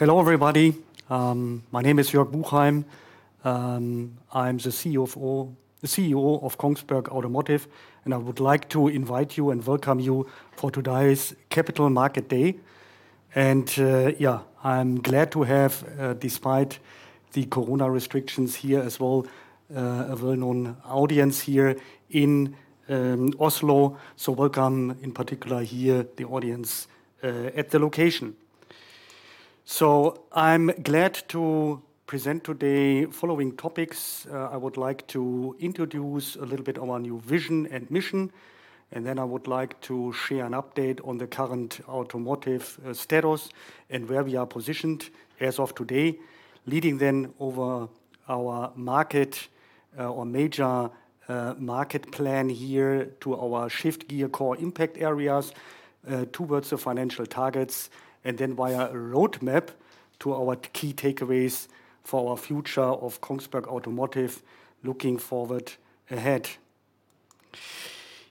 Hello, everybody. My name is Jörg Buchheim. I'm the CEO of Kongsberg Automotive, and I would like to invite you and welcome you for today's Capital Markets Day. I'm glad to have, despite the corona restrictions here as well, a well-known audience here in Oslo. Welcome in particular here, the audience, at the location. I'm glad to present today following topics. I would like to introduce a little bit of our new vision and mission, and then I would like to share an update on the current automotive status and where we are positioned as of today. Leading then over our market, or major, market plan here to our Shift Gear core impact areas, towards the financial targets, and then via a roadmap to our key takeaways for our future of Kongsberg Automotive looking forward ahead.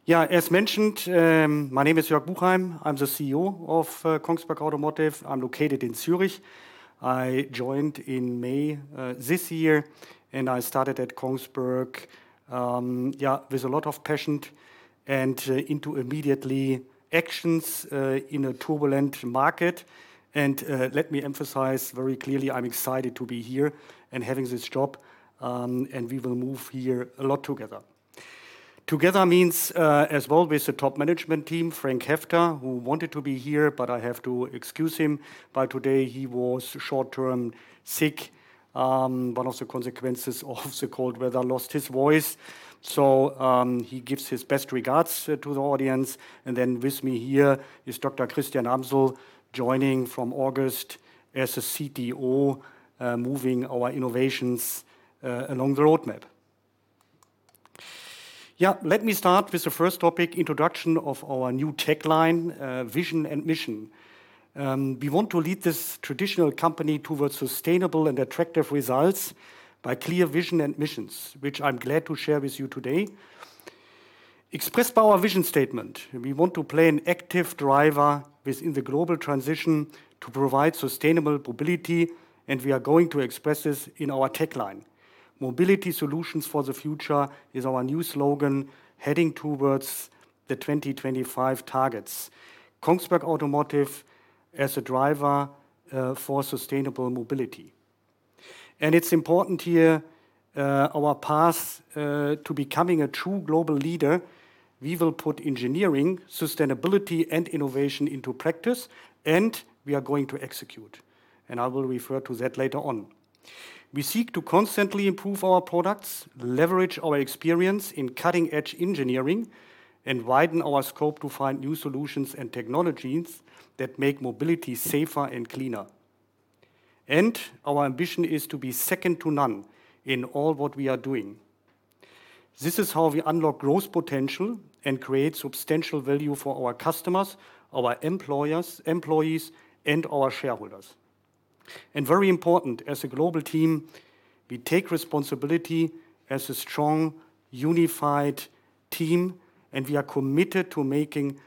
As mentioned, my name is Jörg Buchheim. I'm the CEO of Kongsberg Automotive. I'm located in Zurich. I joined in May this year, and I started at Kongsberg with a lot of passion and into immediate actions in a turbulent market. Let me emphasize very clearly I'm excited to be here and having this job, and we will move here a lot together. Together means as well with the top management team, Frank Heffter, who wanted to be here, but I have to excuse him. But today, he was short-term sick, one of the consequences of the cold weather, lost his voice. He gives his best regards to the audience. With me here is Dr. Christian Amsel, joining from August as a CTO, moving our innovations along the roadmap. Yeah, let me start with the first topic, introduction of our new tagline, vision and mission. We want to lead this traditional company towards sustainable and attractive results by clear vision and missions, which I'm glad to share with you today. Expressed by our vision statement, we want to play an active driver within the global transition to provide sustainable mobility, and we are going to express this in our tagline. Mobility solutions for the future is our new slogan, heading towards the 2025 targets. Kongsberg Automotive as a driver for sustainable mobility. It's important here, our path to becoming a true global leader. We will put engineering, sustainability, and innovation into practice, and we are going to execute, and I will refer to that later on. We seek to constantly improve our products, leverage our experience in cutting-edge engineering, and widen our scope to find new solutions and technologies that make mobility safer and cleaner. Our ambition is to be second to none in all what we are doing. This is how we unlock growth potential and create substantial value for our customers, our employees, and our shareholders. Very important, as a global team, we take responsibility as a strong, unified team, and we are committed to making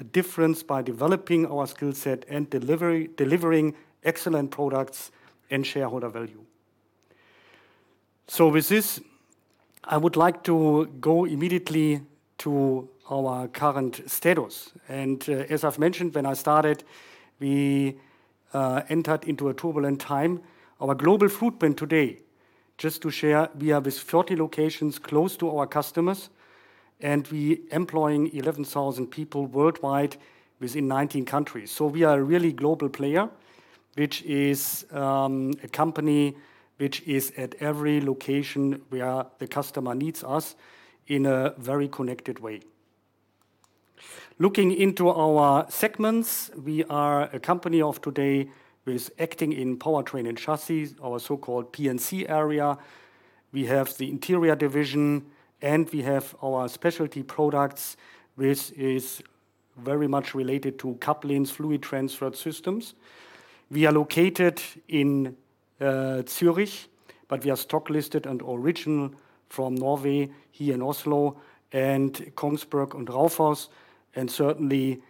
a difference by developing our skill set and delivering excellent products and shareholder value. With this, I would like to go immediately to our current status. As I've mentioned when I started, we entered into a turbulent time. Our global footprint today, just to share, we are with 40 locations close to our customers, and we employing 11,000 people worldwide within 19 countries. We are a really global player, which is a company which is at every location the customer needs us in a very connected way. Looking into our segments, we are a company of today with acting in powertrain and chassis, our so-called P&C area. We have the interior division, and we have our specialty products, which is very much related to couplings, fluid transfer systems. We are located in Zurich, but we are stock listed and originally from Norway, here in Oslo, and Kongsberg and Raufoss. Certainly,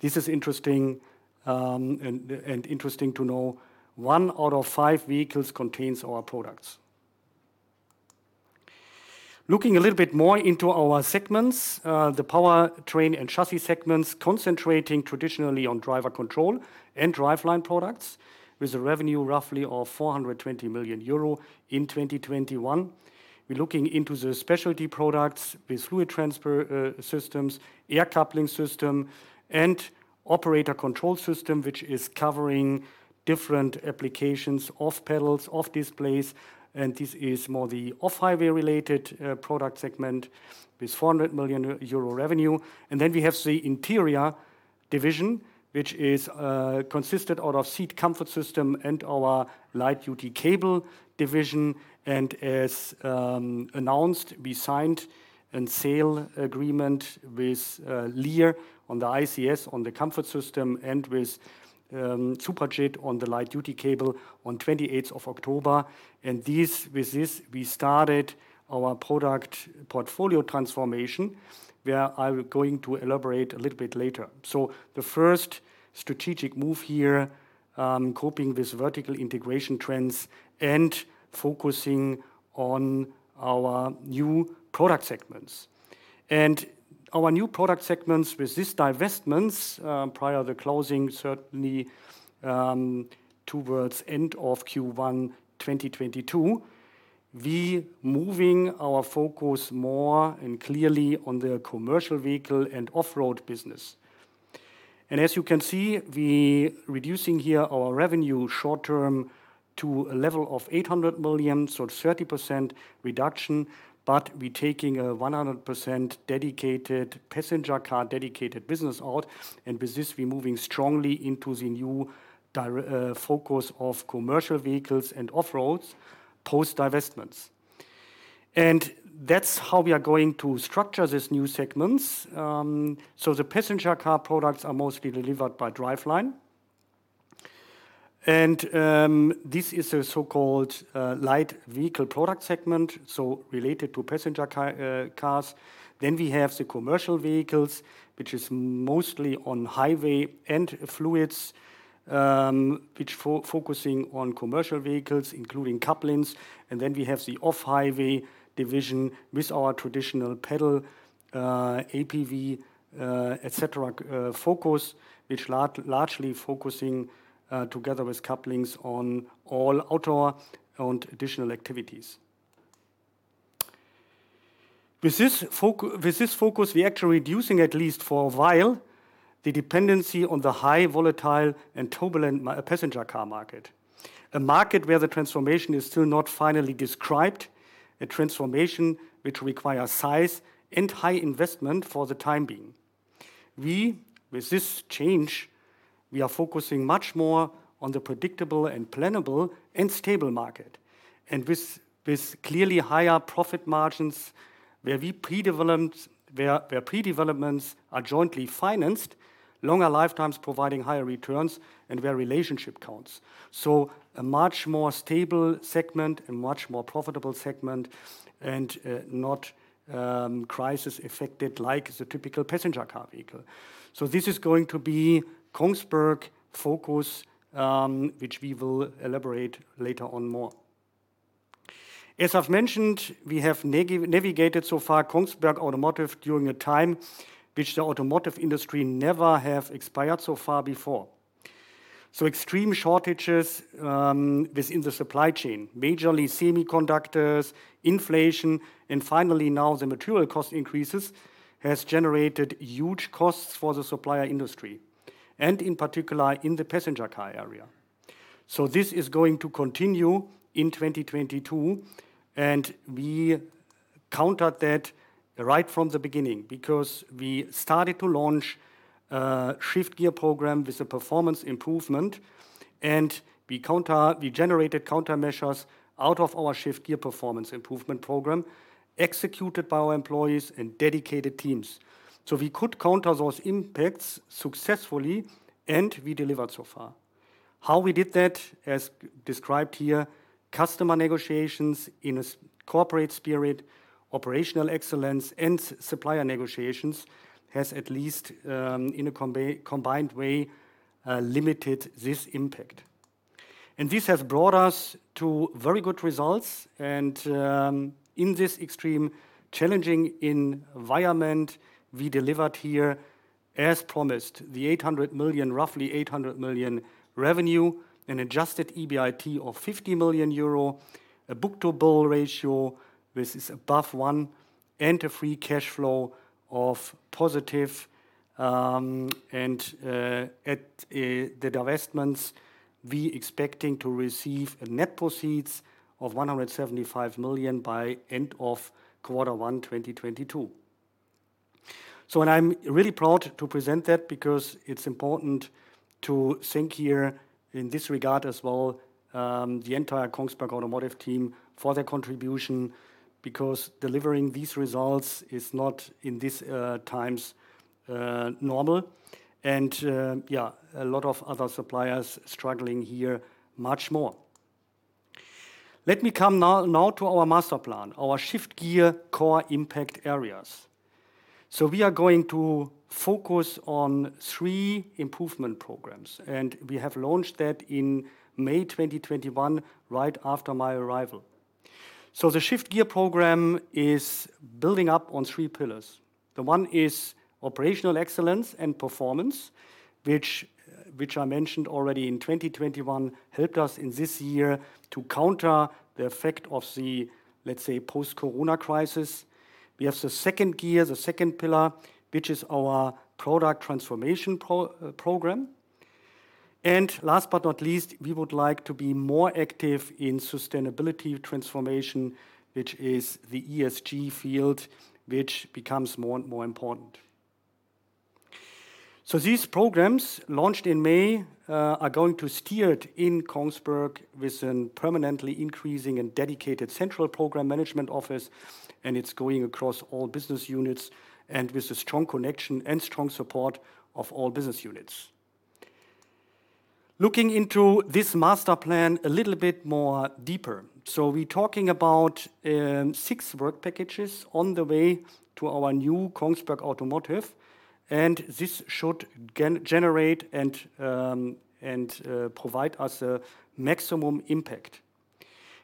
this is interesting, and interesting to know, one out of five vehicles contains our products. Looking a little bit more into our segments, the Powertrain and Chassis segments concentrating traditionally on driver control and driveline products, with a revenue roughly of 420 million euro in 2021. We're looking into the specialty products with Fluid Transfer Systems, air coupling system, and operator control system, which is covering different applications of pedals, of displays, and this is more the off-highway related product segment with 400 million euro revenue. Then we have the interior division, which is consisted out of seat comfort system and our light duty cable division. As announced, we signed a sale agreement with Lear on the ICS, on the comfort system, and with Suprajit on the light duty cable on 28th of October. With this, we started our product portfolio transformation, where I will going to elaborate a little bit later. The first strategic move here, coping with vertical integration trends and focusing on our new product segments. Our new product segments with this divestments, prior the closing certainly, towards end of Q1 2022, we moving our focus more and clearly on the commercial vehicle and off-road business. As you can see, we reducing here our revenue short term to a level of 800 million, so 30% reduction, but we taking a 100% dedicated, passenger car dedicated business out, and with this we moving strongly into the new focus of commercial vehicles and off-road post-divestments. That's how we are going to structure these new segments. The passenger car products are mostly delivered by driveline. This is a so-called light vehicle product segment, so related to passenger car cars. We have the commercial vehicles, which is mostly on-highway and fluids, which focusing on commercial vehicles, including couplings. We have the off-highway division with our traditional pedal, APV, et cetera, focus, which largely focusing together with couplings on off-road and additional activities. With this focus, we actually reducing, at least for a while, the dependency on the high volatile and turbulent passenger car market. A market where the transformation is still not finally described, a transformation which require size and high investment for the time being. We, with this change, we are focusing much more on the predictable and plannable and stable market. With clearly higher profit margins, where we predevelopments, where predevelopments are jointly financed, longer lifetimes providing higher returns, and where relationship counts. A much more stable segment, a much more profitable segment, and not crisis affected like the typical passenger car vehicle. This is going to be Kongsberg focus, which we will elaborate later on more. As I've mentioned, we have navigated so far Kongsberg Automotive during a time which the automotive industry never have experienced so far before. Extreme shortages within the supply chain, majorly semiconductors, inflation, and finally now the material cost increases, has generated huge costs for the supplier industry, and in particular in the passenger car area. This is going to continue in 2022, and we countered that right from the beginning, because we started to launch a Shift Gear program with a performance improvement, and we generated countermeasures out of our Shift Gear performance improvement program, executed by our employees and dedicated teams. We could counter those impacts successfully, and we delivered so far. How we did that, as described here, customer negotiations in a corporate spirit, operational excellence, and supplier negotiations, has at least in a combined way limited this impact. This has brought us to very good results. In this extreme challenging environment, we delivered here, as promised, the 800 million, roughly 800 million revenue, an adjusted EBIT of 50 million euro, a book-to-bill ratio which is above one, and a free cash flow of positive, and, at the divestments, we expecting to receive a net proceeds of 175 million by end of Q1 2022. I'm really proud to present that because it's important to thank here, in this regard as well, the entire Kongsberg Automotive team for their contribution, because delivering these results is not, in this, times, normal. Yeah, a lot of other suppliers struggling here much more. Let me come now to our master plan, our Shift Gear core impact areas. We are going to focus on three improvement programs, and we have launched that in May 2021, right after my arrival. The Shift Gear program is building up on three pillars. The one is operational excellence and performance, which I mentioned already in 2021, helped us in this year to counter the effect of the, let's say, post-coronavirus crisis. We have the second gear, the second pillar, which is our product transformation program. Last but not least, we would like to be more active in sustainability transformation, which is the ESG field, which becomes more and more important. These programs, launched in May, are going to steer it in Kongsberg with a permanently increasing and dedicated central program management office, and it's going across all business units and with a strong connection and strong support of all business units. Looking into this master plan a little bit more deeper. We talking about six work packages on the way to our new Kongsberg Automotive, and this should generate and provide us a maximum impact.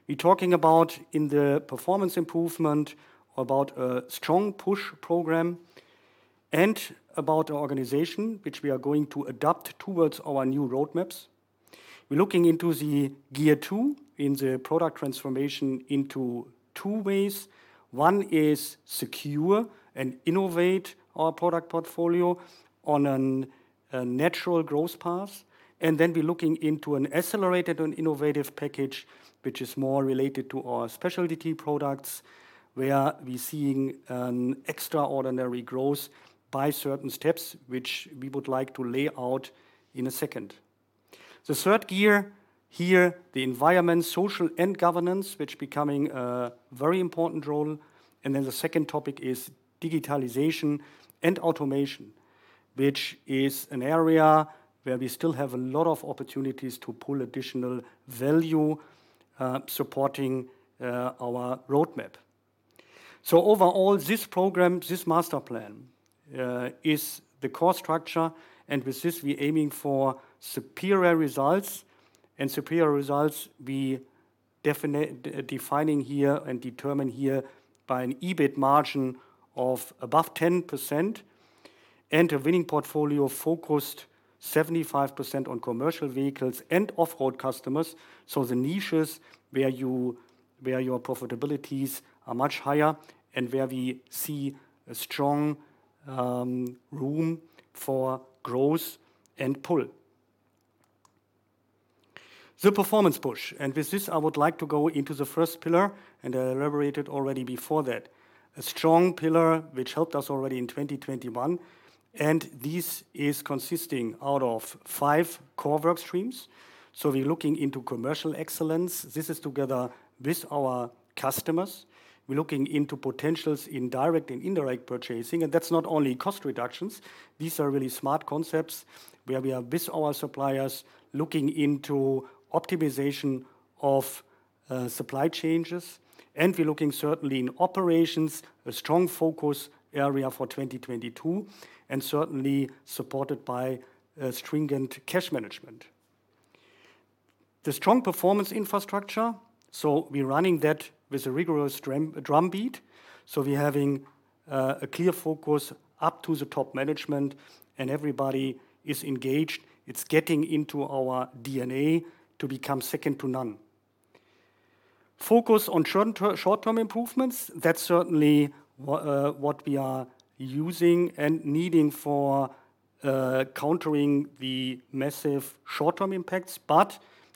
We talking about in the performance improvement about a strong push program and about our organization, which we are going to adapt towards our new roadmaps. We're looking into the gear two in the product transformation into two ways. One is secure and innovate our product portfolio on a natural growth path. Then we're looking into an accelerated and innovative package which is more related to our specialty products, where we're seeing an extraordinary growth by certain steps which we would like to lay out in a second. The third gear here, the environmental, social, and governance, which becoming a very important role. Then the second topic is digitalization and automation, which is an area where we still have a lot of opportunities to pull additional value, supporting our roadmap. Overall, this program, this master plan, is the core structure, and with this we're aiming for superior results. Superior results, we define here and determine here by an EBIT margin of above 10% and a winning portfolio focused 75% on commercial vehicles and off-road customers. The niches where your profitabilities are much higher and where we see a strong room for growth and pull. The performance push, and with this, I would like to go into the first pillar, and I elaborated already before that. A strong pillar which helped us already in 2021, and this is consisting out of five core work streams. We're looking into commercial excellence. This is together with our customers. We're looking into potentials in direct and indirect purchasing, and that's not only cost reductions. These are really smart concepts where we are with our suppliers looking into optimization of supply chains. We're looking certainly in operations, a strong focus area for 2022, and certainly supported by a stringent cash management. The strong performance infrastructure, we're running that with a rigorous drumbeat. We're having a clear focus up to the top management, and everybody is engaged. It's getting into our DNA to become second to none. Focus on short-term improvements. That's certainly what we are using and needing for countering the massive short-term impacts.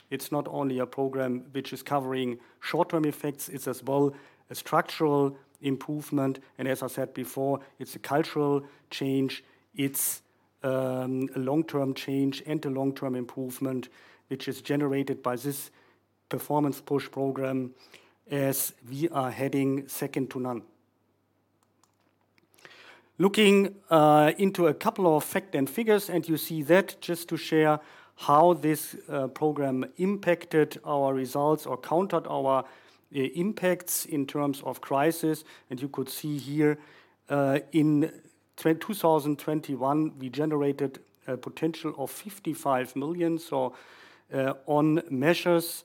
It's not only a program which is covering short-term effects, it's as well a structural improvement. As I said before, it's a cultural change. It's a long-term change and a long-term improvement, which is generated by this performance push program as we are heading second to none. Looking into a couple of facts and figures, you see that just to share how this program impacted our results or countered our impacts in terms of crisis. You could see here in 2021, we generated a potential of 55 million, so on measures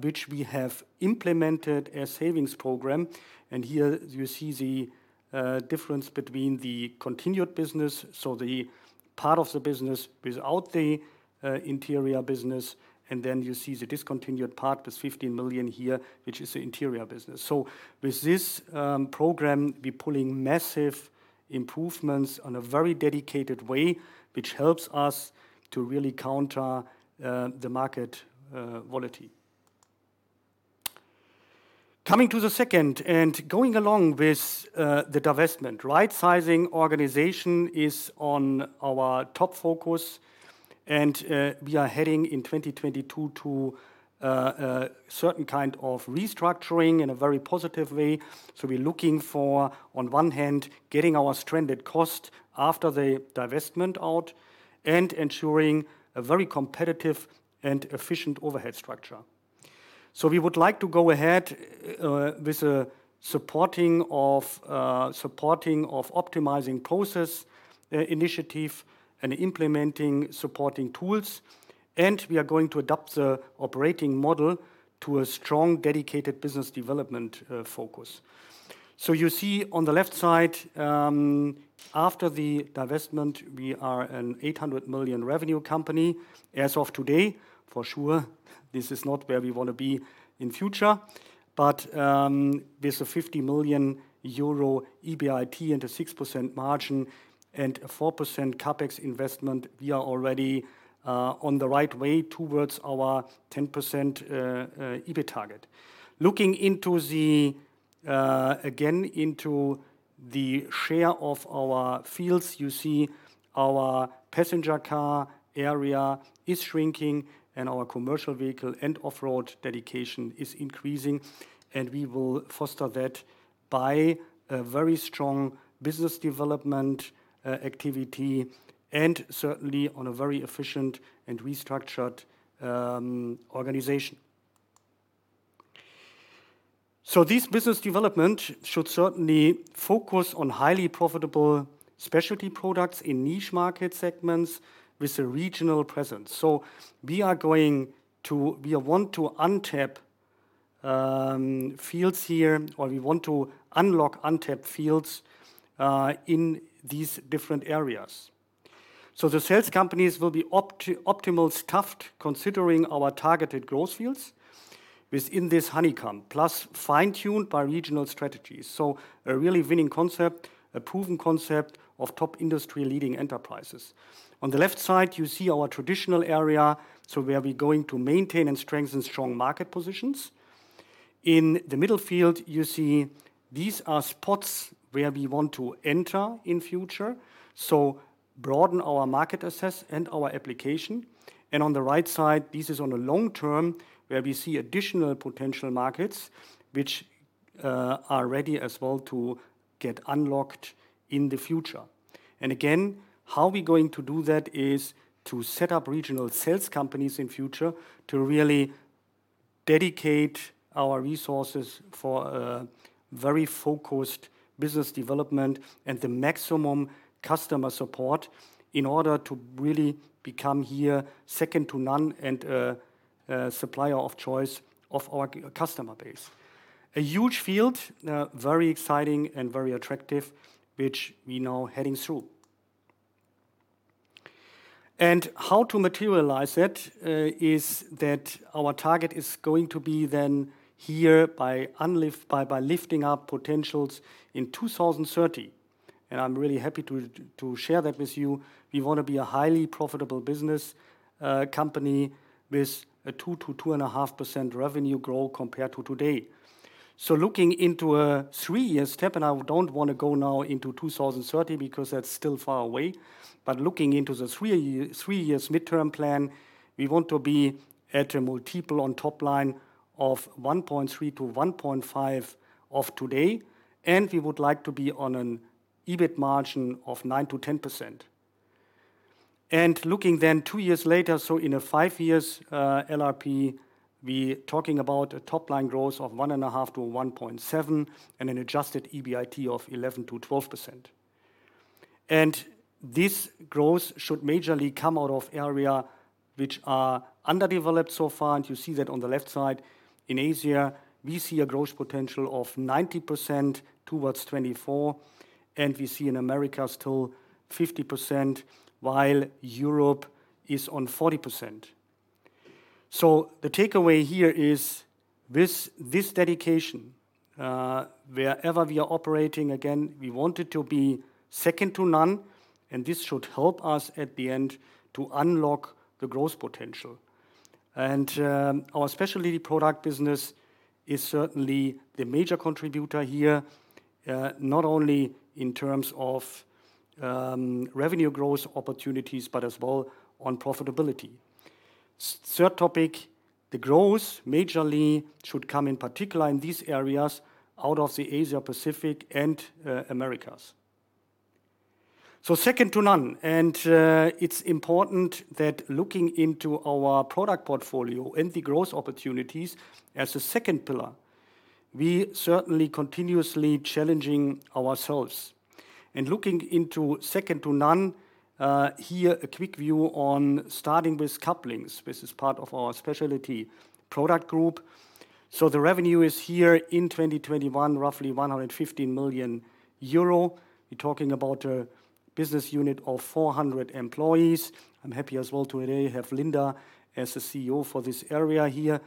which we have implemented a savings program. Here you see the difference between the continued business, so the part of the business without the interior business, and then you see the discontinued part, this 50 million here, which is the interior business. With this program, we're pulling massive improvements in a very dedicated way, which helps us to really counter the market volatility. Coming to the second and going along with the divestment. Right-sizing the organization is our top focus, and we are heading in 2022 to certain kind of restructuring in a very positive way. We're looking for, on one hand, getting our stranded cost after the divestment out and ensuring a very competitive and efficient overhead structure. We would like to go ahead with supporting optimizing process initiative and implementing supporting tools. We are going to adapt the operating model to a strong, dedicated business development focus. You see on the left side, after the divestment, we are an 800 million revenue company as of today. For sure, this is not where we wanna be in future. With 50 million euro EBIT and 6% margin and 4% CapEx investment, we are already on the right way towards our 10% EBIT target. Looking into the share of our fields, you see our passenger car area is shrinking, and our commercial vehicle and off-road dedication is increasing. We will foster that by a very strong business development activity and certainly in a very efficient and restructured organization. This business development should certainly focus on highly profitable specialty products in niche market segments with a regional presence. We want to tap fields here, or we want to unlock untapped fields in these different areas. The sales companies will be optimally staffed considering our targeted growth fields within this honeycomb, plus fine-tuned by regional strategies. A really winning concept, a proven concept of top industry-leading enterprises. On the left side, you see our traditional area, so where we're going to maintain and strengthen strong market positions. In the middle field, you see these are spots where we want to enter in future, so broaden our market access and our application. On the right side, this is in the long term, where we see additional potential markets which are ready as well to get unlocked in the future. Again, how we're going to do that is to set up regional sales companies in future to really dedicate our resources for a very focused business development and the maximum customer support in order to really become second to none here and supplier of choice of our customer base. A huge field, very exciting and very attractive, which we're now heading through. How to materialize that is that our target is going to be then by lifting up potentials in 2030. I'm really happy to share that with you. We wanna be a highly profitable business company with a 2%-2.5% revenue growth compared to today. Looking into a three-year step, and I don't wanna go now into 2030 because that's still far away. Looking into the three-year, three years midterm plan, we want to be at a multiple on top line of 1.3-1.5 of today, and we would like to be on an EBIT margin of 9%-10%. Looking then two years later, so in a five years LRP, we talking about a top-line growth of 1.5-1.7 and an adjusted EBIT of 11%-12%. This growth should majorly come out of area which are underdeveloped so far, and you see that on the left side. In Asia, we see a growth potential of 90% towards 2024, and we see in Americas still 50%, while Europe is on 40%. The takeaway here is this dedication, wherever we are operating, again, we want it to be second to none, and this should help us at the end to unlock the growth potential. Our specialty product business is certainly the major contributor here, not only in terms of revenue growth opportunities, but as well on profitability. Third topic, the growth majorly should come in particular in these areas out of the Asia-Pacific and Americas. Second to none, it's important that looking into our product portfolio and the growth opportunities as a second pillar, we are certainly continuously challenging ourselves. Looking into second to none, here a quick view on starting with couplings. This is part of our specialty product group. The revenue is here in 2021, roughly 115 million euro. We're talking about a business unit of 400 employees. I'm happy as well today to have Linda as the CEO for this area here.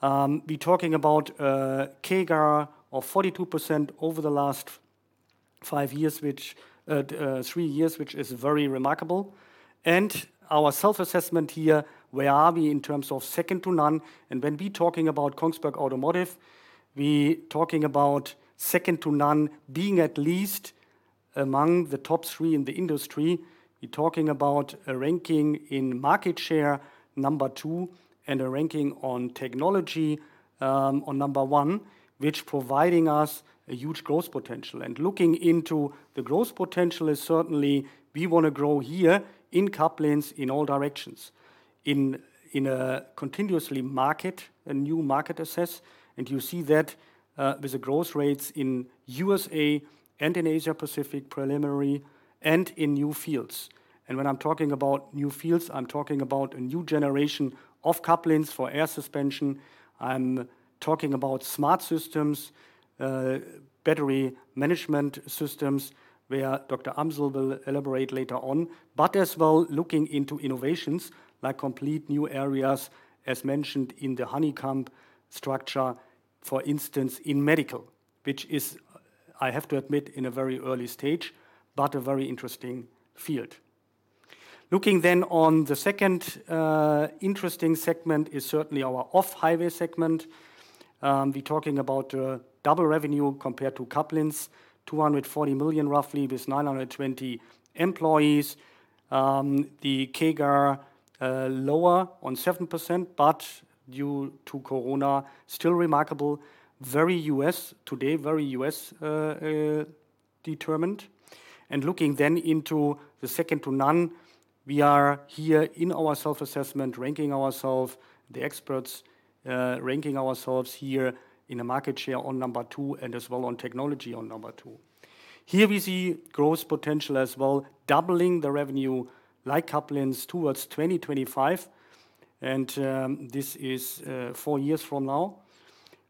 We're talking about a CAGR of 42% over the last three years, which is very remarkable. Our self-assessment here, where are we in terms of second to none? When we talking about Kongsberg Automotive, we talking about second to none being at least among the top three in the industry. We're talking about a ranking in market share, number two, and a ranking on technology, on number one, which providing us a huge growth potential. Looking into the growth potential is certainly we wanna grow here in couplings in all directions, in a continuous market, a new market access. You see that with the growth rates in U.S. and in Asia-Pacific primarily and in new fields. When I'm talking about new fields, I'm talking about a new generation of couplings for air suspension. I'm talking about smart systems, battery management systems, where Dr. Amsel will elaborate later on. But as well, looking into innovations like complete new areas, as mentioned in the honeycomb structure. For instance, in medical, which is, I have to admit, in a very early stage, but a very interesting field. Looking then on the second interesting segment is certainly our off-highway segment. We're talking about double revenue compared to couplings, 240 million roughly with 920 employees. The CAGR lower on 7%, but due to corona, still remarkable. Very U.S. today, determined. Looking then into the second to none, we are here in our self-assessment, ranking ourselves here in a market share on two and as well on technology on two. Here we see growth potential as well, doubling the revenue like couplings towards 2025, and this is four years from now.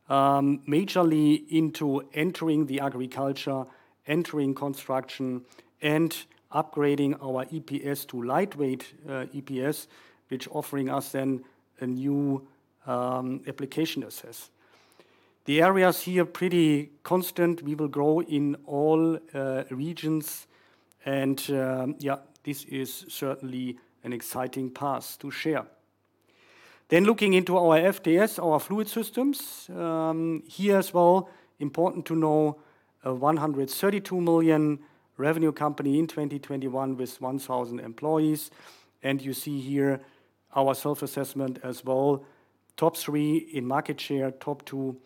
Majorly into entering the agriculture, entering construction, and upgrading our EPS to lightweight EPS, which offering us then a new application access. The areas here are pretty constant. We will grow in all regions. This is certainly an exciting path to share. Looking into our FTS, our fluid systems, here as well, important to know a 132 million revenue company in 2021 with 1,000 employees. You see here our self-assessment as well, top three in market share, top two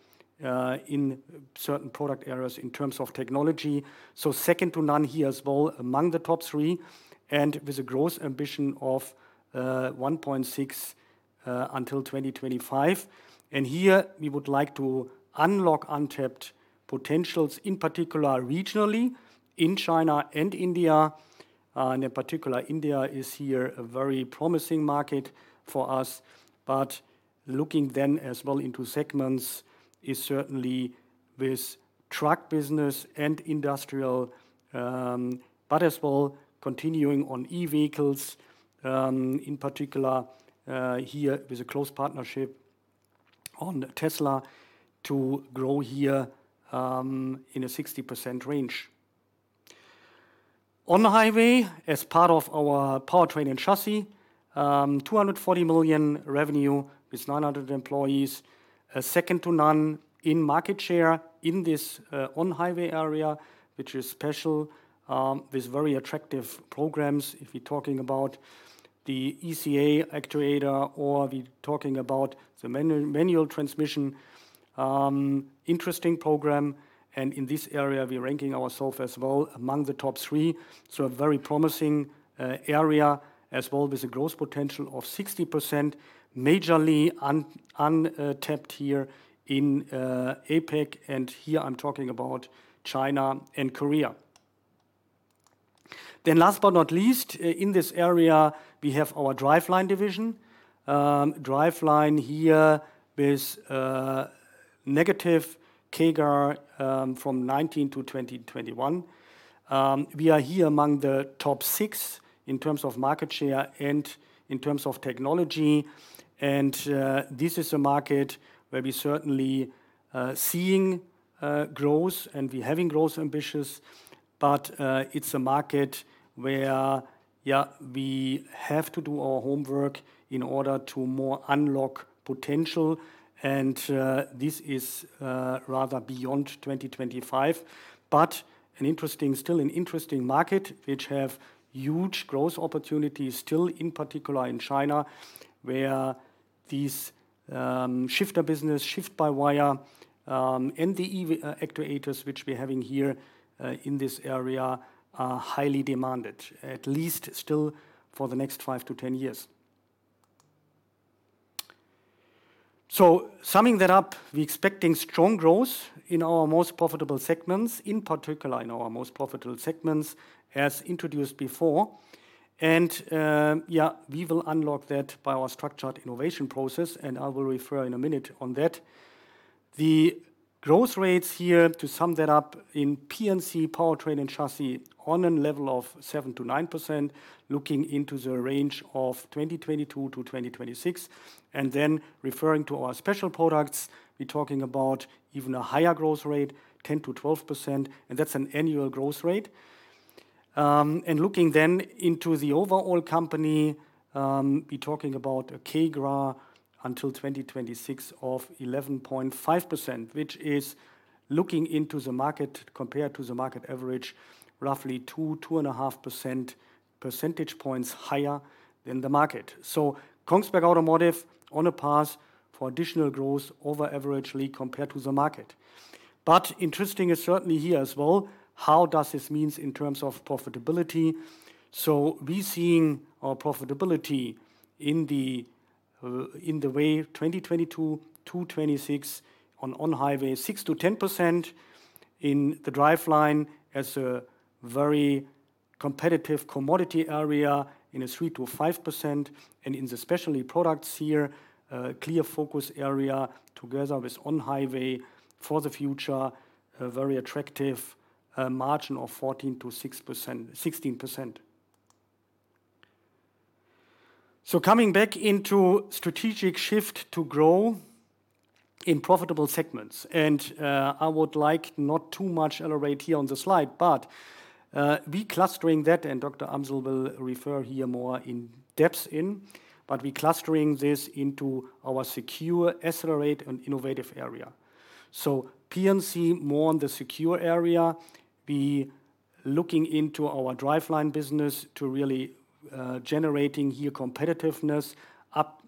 in certain product areas in terms of technology. Second to none here as well among the top three, and with a growth ambition of 1.6% until 2025. We would like to unlock untapped potentials, in particular regionally in China and India. In particular, India is here a very promising market for us. Looking then as well into segments is certainly with truck business and industrial, but as well continuing on e-vehicles, in particular here with a close partnership on Tesla to grow here in a 60% range. On-highway, as part of our powertrain and chassis, 240 million revenue with 900 employees, second to none in market share in this on-highway area, which is special, with very attractive programs. If we talking about the ECA actuator or we talking about the manual transmission, interesting program. In this area, we are ranking ourself as well among the top three. A very promising area as well with a growth potential of 60%, majorly untapped here in APAC, and here I'm talking about China and Korea. Last but not least, in this area, we have our driveline division. Driveline here with negative CAGR from 2019 to 2021. We are here among the top six in terms of market share and in terms of technology. This is a market where we certainly seeing growth, and we're having growth ambitions. It's a market where we have to do our homework in order to more unlock potential. This is rather beyond 2025. An interesting market which have huge growth opportunities still, in particular in China, where these shifter business, shift-by-wire, and the actuators which we're having here in this area are highly demanded, at least still for the next five to 10 years. Summing that up, we expecting strong growth in our most profitable segments, as introduced before. We will unlock that by our structured innovation process, and I will refer in a minute on that. The growth rates here, to sum that up, in P&C, powertrain and chassis, on a level of 7%-9%, looking into the range of 2022-2026. Then referring to our special products, we're talking about even a higher growth rate, 10%-12%, and that's an annual growth rate. Looking then into the overall company, we're talking about a CAGR until 2026 of 11.5%, which is looking into the market compared to the market average, roughly 2-2.5 percentage points higher than the market. Kongsberg Automotive on a path for additional growth over averagely compared to the market. Interesting is certainly here as well, how does this mean in terms of profitability? We seeing our profitability in the years 2022-2026 on-highway, 6%-10%. In the driveline as a very competitive commodity area, 3%-5%. In the specialty products here, a clear focus area together with on-highway for the future, a very attractive margin of 14%-16%. Coming back to strategic shift to grow in profitable segments. I would like not to elaborate too much here on the slide, but we clustering that, and Dr. Amsel will refer here more in depth, but we clustering this into our secure, accelerate, and innovative area. P&C more on the secure area, be looking into our driveline business to really generating here competitiveness,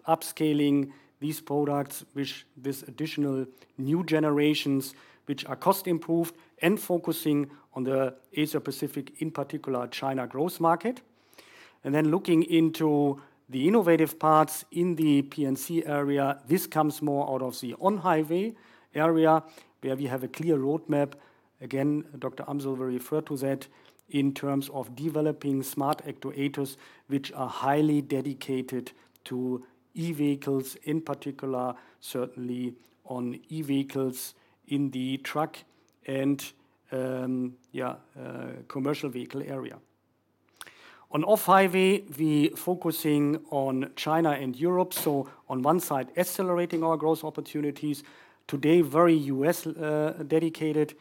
upscaling these products which this additional new generations, which are cost improved and focusing on the Asia-Pacific, in particular China growth market. Then looking into the innovative parts in the P&C area, this comes more out of the on-highway area, where we have a clear roadmap. Again, Dr. Amsel will refer to that in terms of developing smart actuators, which are highly dedicated to e-vehicles, in particular, certainly on e-vehicles in the truck and commercial vehicle area. On off-highway, we focusing on China and Europe. On one side, accelerating our growth opportunities. Today, very U.S. dedicated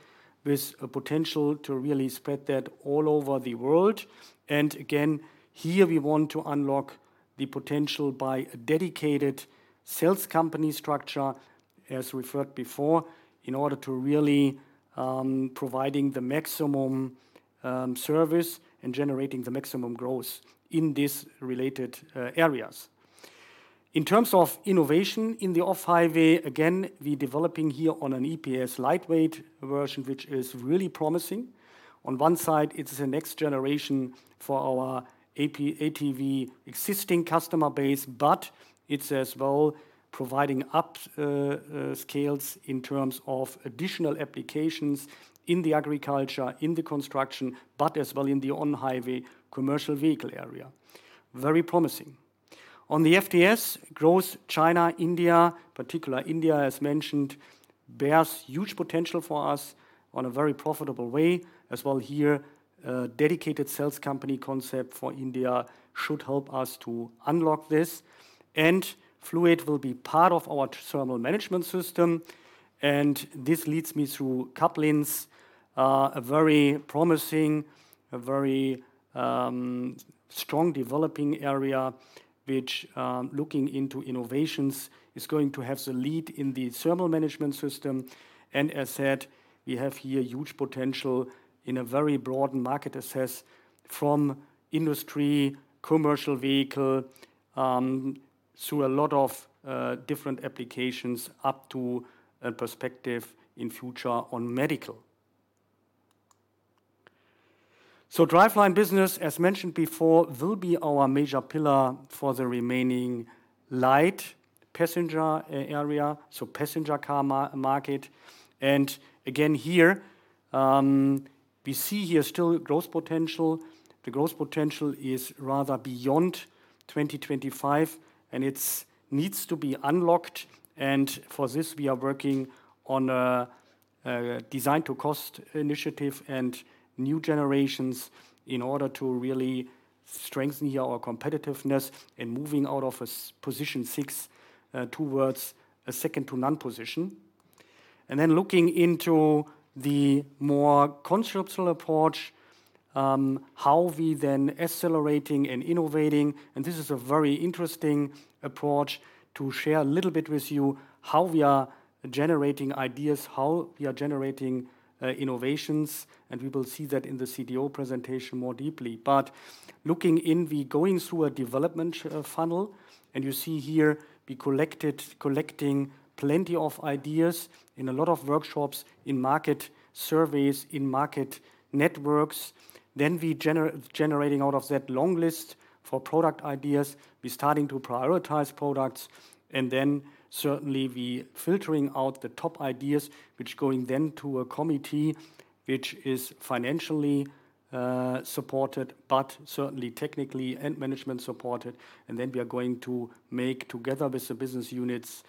with a potential to really spread that all over the world. Again, here we want to unlock the potential by a dedicated sales company structure, as referred before, in order to really providing the maximum service and generating the maximum growth in these related areas. In terms of innovation in the off-highway, again, we developing here on an EPS lightweight version, which is really promising. On one side, it is a next generation for our ATV existing customer base, but it's as well providing upscales in terms of additional applications in the agriculture, in the construction, but as well in the on-highway commercial vehicle area. Very promising. On the FTS, growth China, India, particularly India, as mentioned, bears huge potential for us in a very profitable way. As well here, a dedicated sales company concept for India should help us to unlock this. Fluid will be part of our thermal management system, and this leads me through couplings, a very promising, very strong developing area which, looking into innovations, is going to have the lead in the thermal management system. As said, we have here huge potential in a very broad market access from industry, commercial vehicle, through a lot of different applications up to a perspective in future on medical. Driveline business, as mentioned before, will be our major pillar for the remaining light passenger area, so passenger car market. Again, here, we see here still growth potential. The growth potential is rather beyond 2025, and it needs to be unlocked. For this, we are working on a design to cost initiative and new generations in order to really strengthen here our competitiveness and moving out of a position six towards a second to none position. Then looking into the more conceptual approach, how we then accelerating and innovating, and this is a very interesting approach to share a little bit with you how we are generating ideas, how we are generating innovations, and we will see that in the CDO presentation more deeply. Looking in, we going through a development funnel, and you see here we collecting plenty of ideas in a lot of workshops, in market surveys, in market networks. We generating out of that long list for product ideas, we starting to prioritize products, and then certainly we filtering out the top ideas, which going then to a committee, which is financially supported, but certainly technically and management supported. We are going to make, together with the business units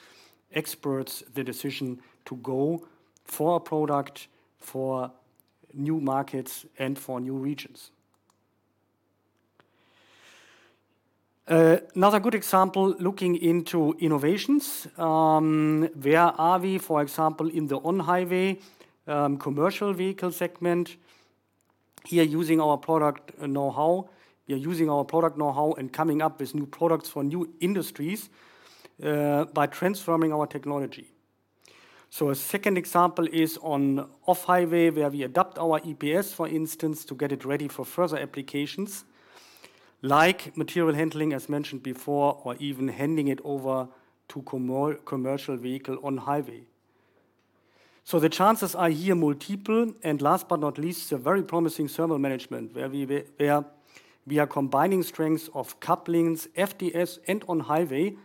experts, the decision to go for a product for new markets and for new regions. Another good example, looking into innovations, where are we, for example, in the on-highway commercial vehicle segment. Here using our product know-how. We are using our product know-how and coming up with new products for new industries by transforming our technology. A second example is on off-highway, where we adapt our EPS, for instance, to get it ready for further applications, like material handling, as mentioned before, or even handing it over to commercial vehicle on-highway. The chances are here multiple, and last but not least, a very promising thermal management, where we are combining strengths of couplings, FTS, and on-highway.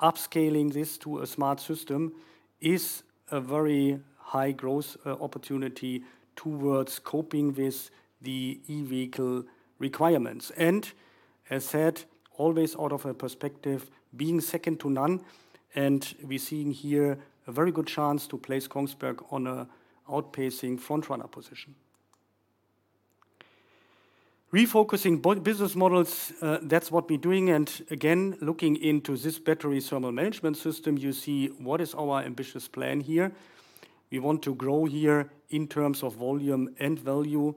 Upscaling this to a smart system is a very high growth opportunity towards coping with the e-vehicle requirements. As said, always out of a perspective being second to none, and we're seeing here a very good chance to place Kongsberg on a outpacing frontrunner position. Refocusing business models, that's what we're doing. Again, looking into this battery thermal management system, you see what is our ambitious plan here. We want to grow here in terms of volume and value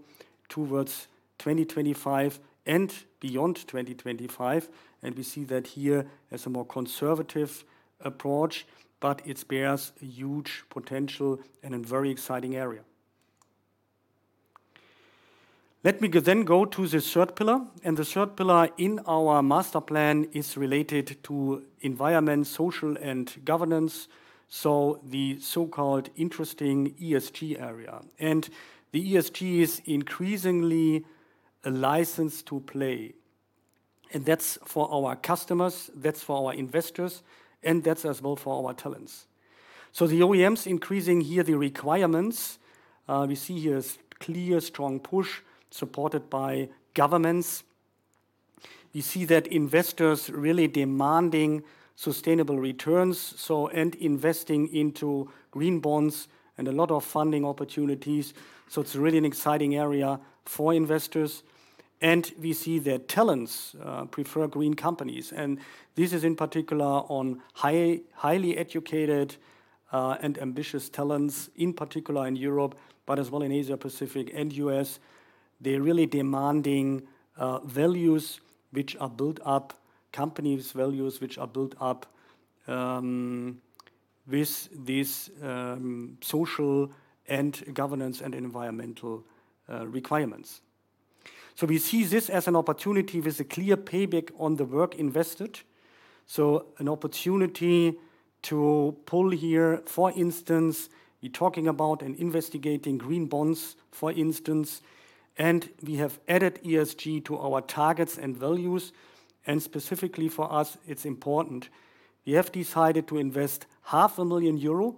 towards 2025 and beyond 2025, and we see that here as a more conservative approach, but it bears a huge potential and a very exciting area. Let me then go to the third pillar. The third pillar in our master plan is related to environment, social, and governance, so the so-called interesting ESG area. The ESG is increasingly a license to play. That's for our customers, that's for our investors, and that's as well for our talents. The OEMs increasing here the requirements, we see here a clear strong push supported by governments. We see that investors really demanding sustainable returns, and investing into green bonds and a lot of funding opportunities, so it's really an exciting area for investors. We see that talents prefer green companies, and this is in particular on highly educated and ambitious talents, in particular in Europe, but as well in Asia-Pacific and U.S. They're really demanding values which are built up, company's values which are built up, with these social and governance and environmental requirements. We see this as an opportunity with a clear payback on the work invested, an opportunity to pull here. For instance, we talking about and investigating green bonds, for instance. We have added ESG to our targets and values, and specifically for us, it's important. We have decided to invest half a million EUR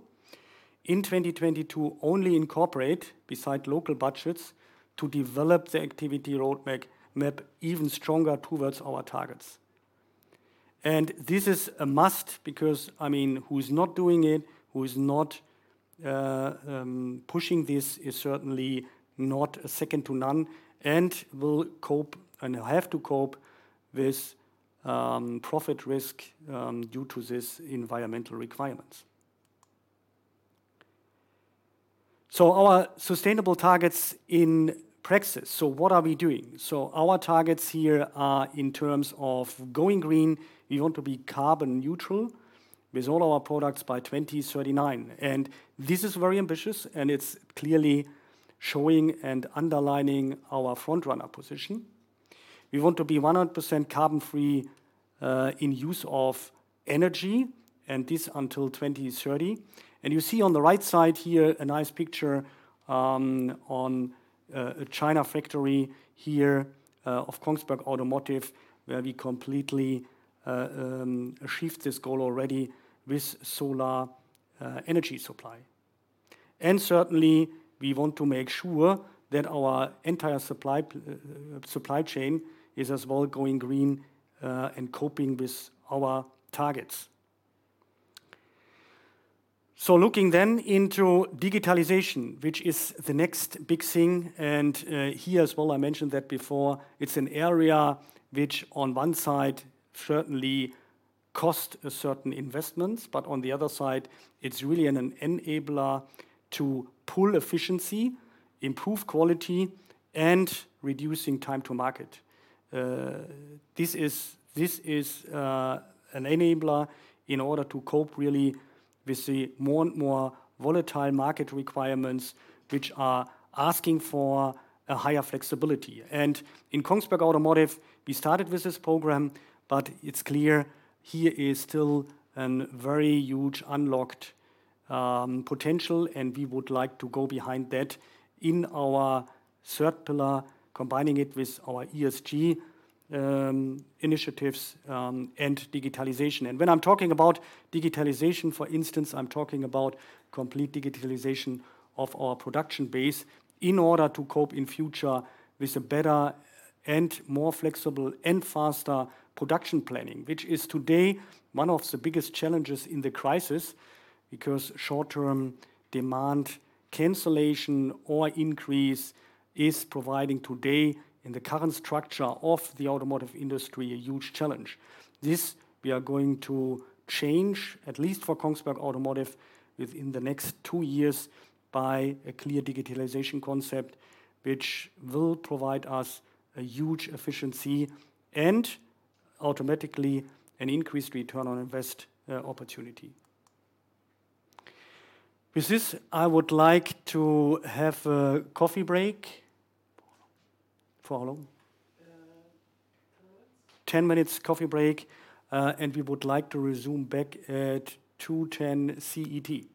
in 2020 to only incorporate, beside local budgets, to develop the activity roadmap, make even stronger towards our targets. This is a must because, I mean, who's not doing it, who is not pushing this is certainly not second to none and will have to cope with profit risk due to these environmental requirements. Our sustainable targets in practice. What are we doing? Our targets here are in terms of going green. We want to be carbon neutral with all our products by 2039, and this is very ambitious, and it's clearly showing and underlining our frontrunner position. We want to be 100% carbon free in use of energy, and this until 2030. You see on the right side here a nice picture on a China factory here of Kongsberg Automotive, where we completely achieved this goal already with solar energy supply. Certainly, we want to make sure that our entire supply chain is as well going green and coping with our targets. Looking then into digitalization, which is the next big thing, and here as well, I mentioned that before, it's an area which on one side certainly cost a certain investments, but on the other side, it's really an enabler to pull efficiency, improve quality, and reducing time to market. This is an enabler in order to cope really with the more and more volatile market requirements, which are asking for a higher flexibility. In Kongsberg Automotive, we started with this program, but it's clear here is still a very huge unlocked potential, and we would like to go behind that in our third pillar, combining it with our ESG initiatives and digitalization. When I'm talking about digitalization, for instance, I'm talking about complete digitalization of our production base in order to cope in future with a better and more flexible and faster production planning, which is today one of the biggest challenges in the crisis because short-term demand cancellation or increase is providing today, in the current structure of the automotive industry, a huge challenge. This we are going to change, at least for Kongsberg Automotive, within the next two years by a clear digitalization concept, which will provide us a huge efficiency and automatically an increased return on investment opportunity. With this, I would like to have a coffee break. For how long? 10 minutes. 10 minutes coffee break, and we would like to resume back at 2:10 CET.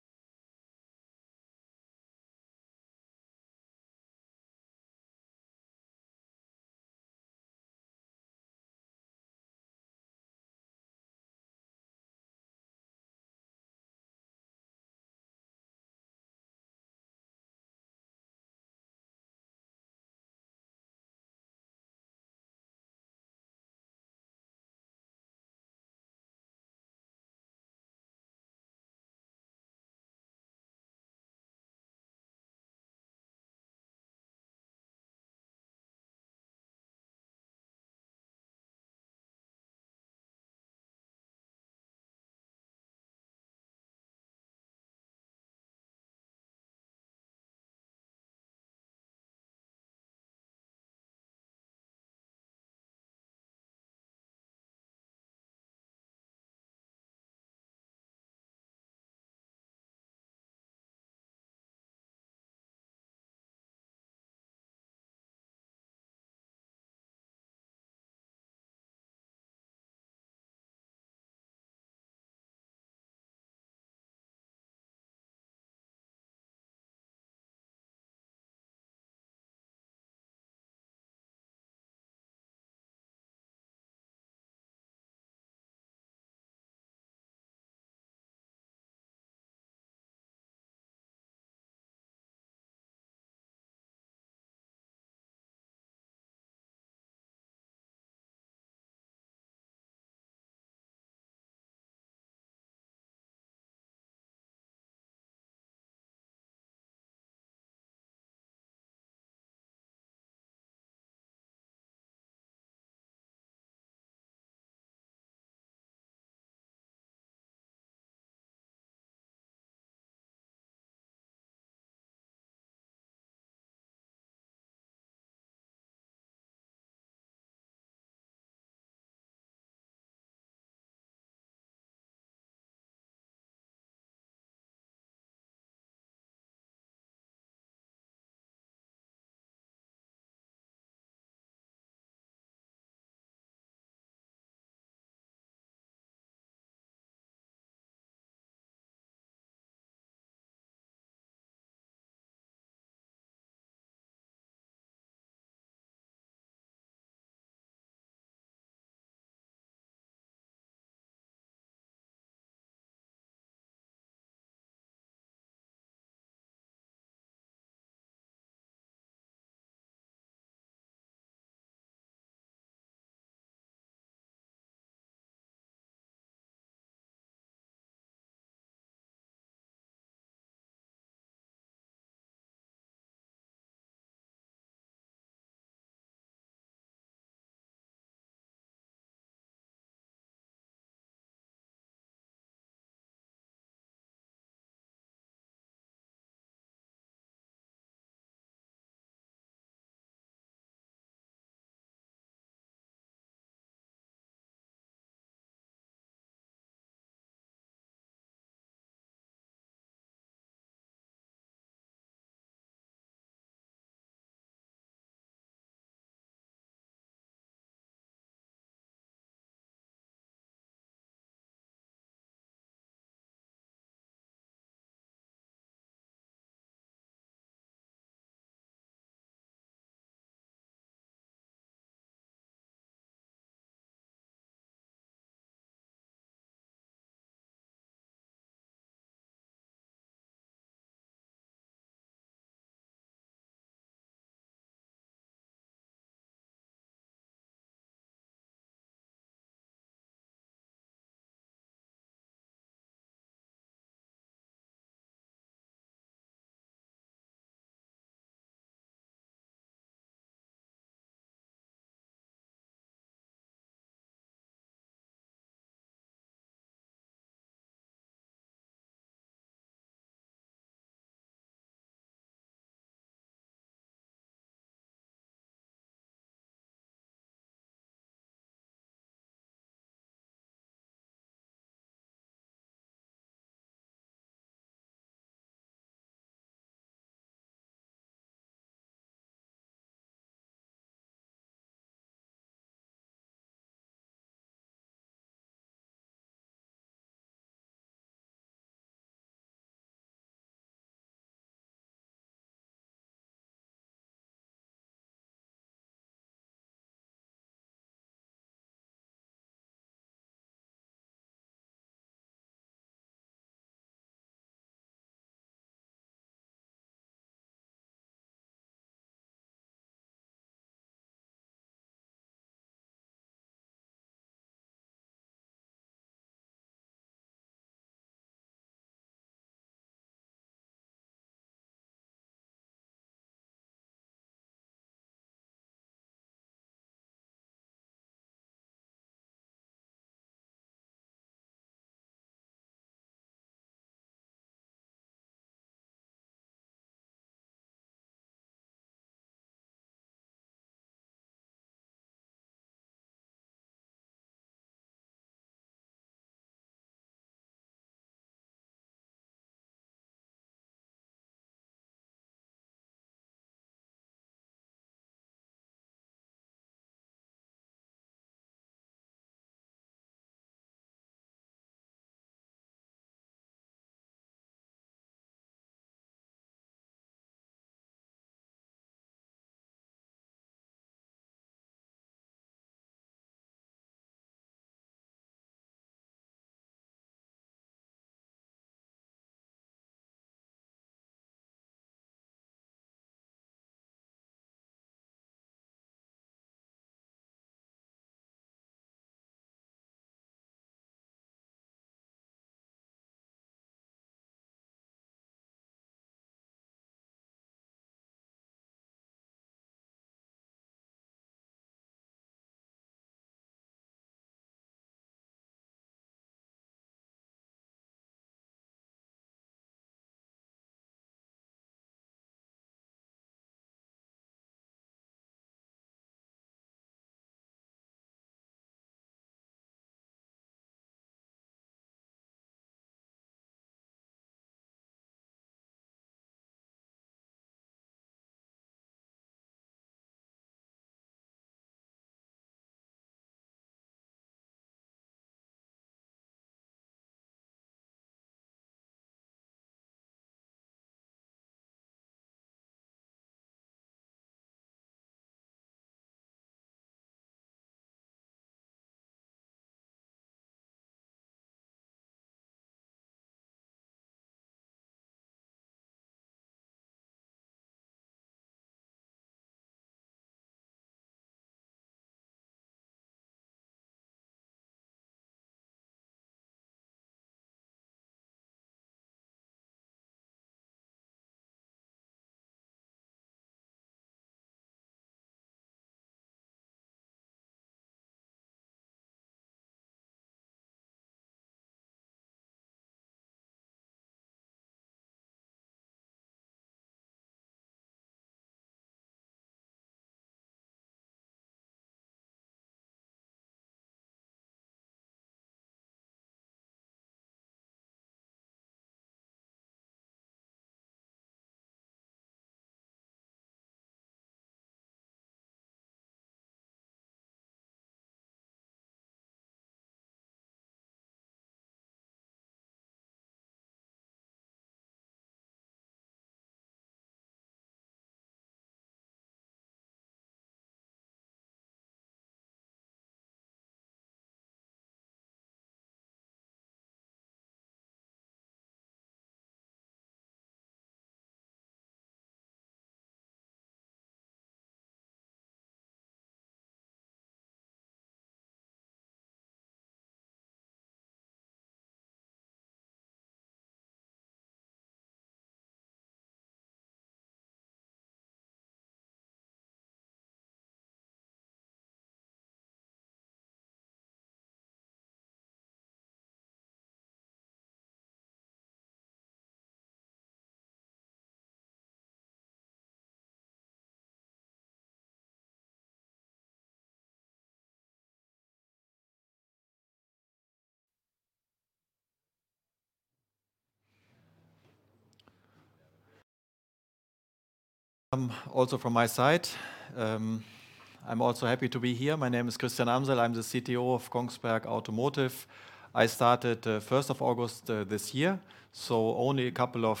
Also from my side, I'm also happy to be here. My name is Christian Amsel. I'm the CTO of Kongsberg Automotive. I started first of August this year, so only a couple of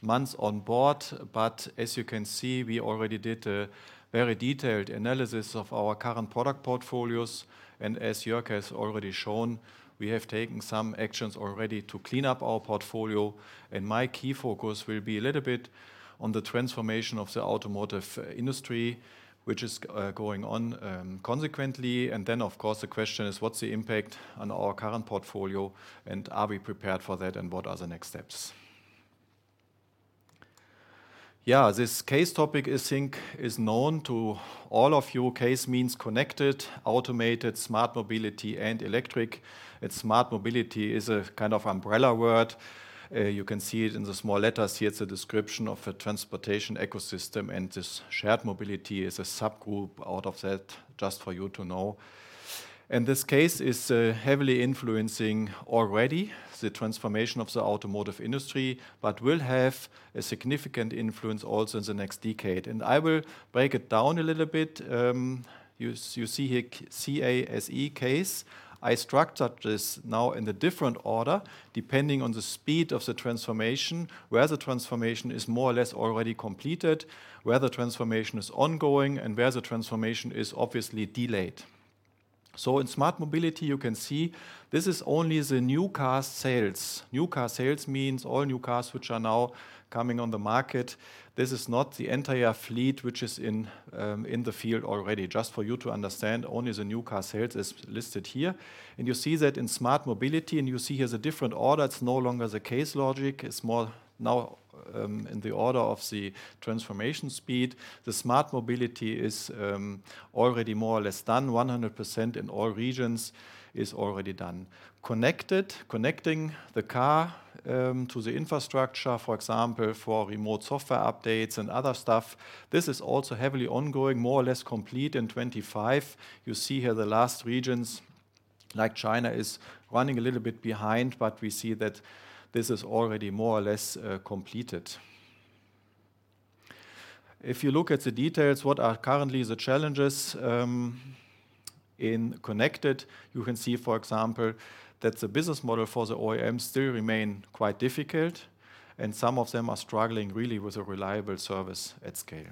months on board. As you can see, we already did a very detailed analysis of our current product portfolios. As Jörg has already shown, we have taken some actions already to clean up our portfolio. My key focus will be a little bit on the transformation of the automotive industry, which is going on consequently. Of course, the question is what's the impact on our current portfolio and are we prepared for that and what are the next steps? Yeah. This CASE topic I think is known to all of you. CASE means Connected, Automated, Smart Mobility, and Electric. Smart mobility is a kind of umbrella word. You can see it in the small letters here. It's a description of a transportation ecosystem, and this shared mobility is a subgroup out of that, just for you to know. This CASE is heavily influencing already the transformation of the automotive industry but will have a significant influence also in the next decade. I will break it down a little bit. You see here C-A-S-E, CASE. I structured this now in a different order, depending on the speed of the transformation, where the transformation is more or less already completed, where the transformation is ongoing, and where the transformation is obviously delayed. In smart mobility, you can see this is only the new car sales. New car sales means all new cars which are now coming on the market. This is not the entire fleet which is in the field already. Just for you to understand, only the new car sales is listed here. You see that in smart mobility, and you see here the different order. It's no longer the CASE logic. It's more now in the order of the transformation speed. The smart mobility is already more or less done. 100% in all regions is already done. Connected, connecting the car to the infrastructure, for example, for remote software updates and other stuff, this is also heavily ongoing, more or less complete in 2025. You see here the last regions, like China is running a little bit behind, but we see that this is already more or less completed. If you look at the details, what are currently the challenges in connected, you can see, for example, that the business model for the OEM still remain quite difficult, and some of them are struggling really with a reliable service at scale.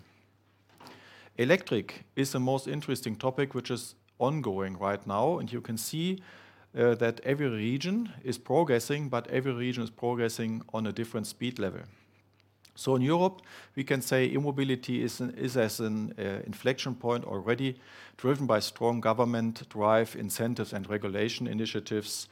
Electric is the most interesting topic, which is ongoing right now, and you can see that every region is progressing on a different speed level. In Europe, we can say e-mobility is an inflection point already driven by strong government drive incentives and regulation initiatives,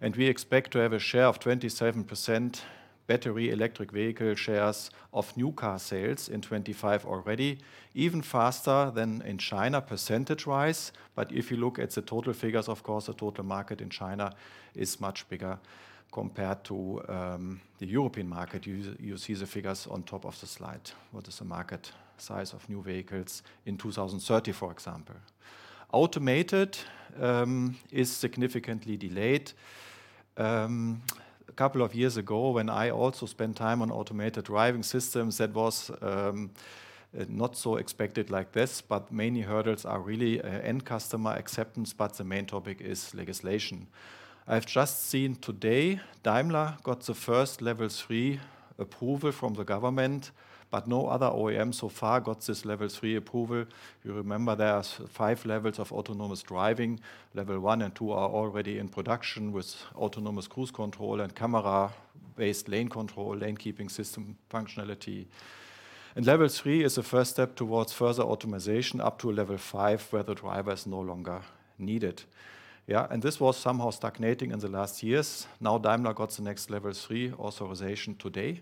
and we expect to have a share of 27% battery electric vehicle shares of new car sales in 2025 already, even faster than in China percentage-wise. If you look at the total figures, of course, the total market in China is much bigger compared to the European market. You see the figures on top of the slide, what is the market size of new vehicles in 2030, for example. Automated is significantly delayed. A couple of years ago, when I also spent time on automated driving systems, that was not so expected like this, but mainly hurdles are really end customer acceptance, but the main topic is legislation. I've just seen today Daimler got the first Level three approval from the government, but no other OEM so far got this Level three approval. You remember there are five levels of autonomous driving. Level one and two are already in production with autonomous cruise control and camera-based lane control, lane keeping system functionality. Level three is the first step towards further automation up to Level five, where the driver is no longer needed. Yeah, this was somehow stagnating in the last years. Now Daimler got the next Level three authorization today,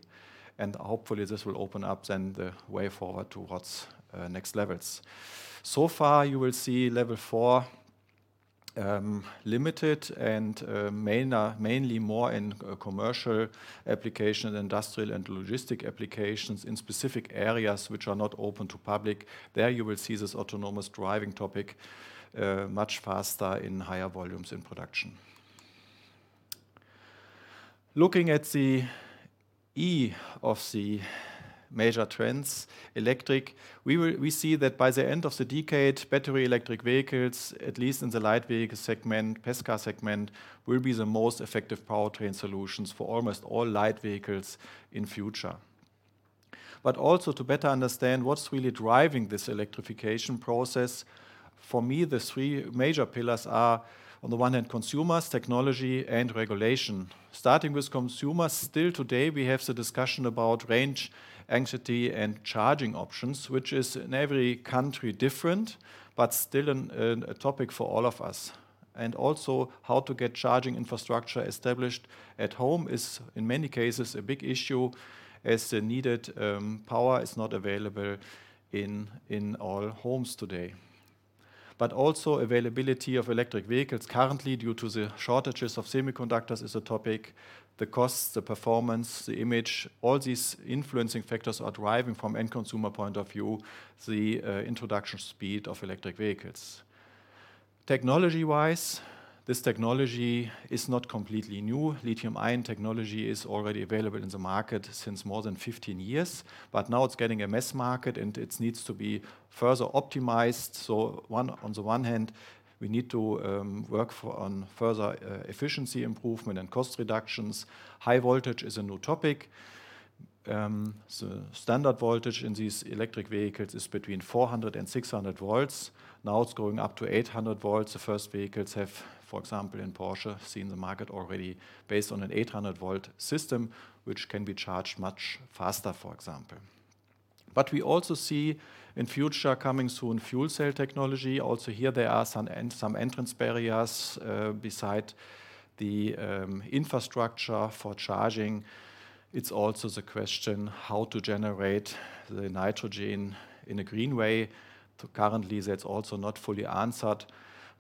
and hopefully this will open up then the way forward towards next levels. So far, you will see Level four, limited and mainly more in commercial application, industrial and logistic applications in specific areas which are not open to public. There you will see this autonomous driving topic much faster in higher volumes in production. Looking at the E of the major trends, electric, we see that by the end of the decade, battery electric vehicles, at least in the light vehicle segment, passenger car segment, will be the most effective powertrain solutions for almost all light vehicles in future. Also to better understand what's really driving this electrification process, for me, the three major pillars are, on the one hand, consumers, technology and regulation. Starting with consumers, still today we have the discussion about range anxiety and charging options, which is in every country different, but still a topic for all of us. Also how to get charging infrastructure established at home is, in many cases, a big issue as the needed power is not available in all homes today. Also availability of electric vehicles currently due to the shortages of semiconductors is a topic. The costs, the performance, the image, all these influencing factors are driving from end consumer point of view the introduction speed of electric vehicles. Technology-wise, this technology is not completely new. Lithium-ion technology is already available in the market since more than 15 years, but now it's getting a mass market and it needs to be further optimized. On the one hand, we need to work on further efficiency improvement and cost reductions. High voltage is a new topic. The standard voltage in these electric vehicles is between 400 and 600 volts. Now it's going up to 800 volts. The first vehicles have, for example, in Porsche, seen the market already based on an 800-volt system, which can be charged much faster, for example. But we also see in future coming soon fuel cell technology. Also here there are some entry barriers besides the infrastructure for charging. It's also the question how to generate the hydrogen in a green way. Currently that's also not fully answered,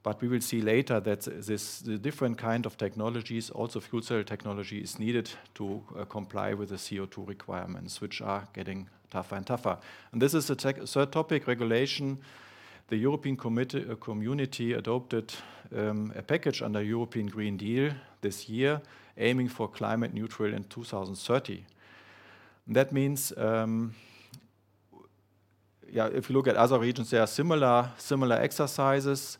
but we will see later that this, the different kind of technologies, also fuel cell technology, is needed to comply with the CO₂ requirements, which are getting tougher and tougher. This is the third topic, regulation. The European community adopted a package under European Green Deal this year aiming for climate neutral in 2030. That means, if you look at other regions, there are similar exercises,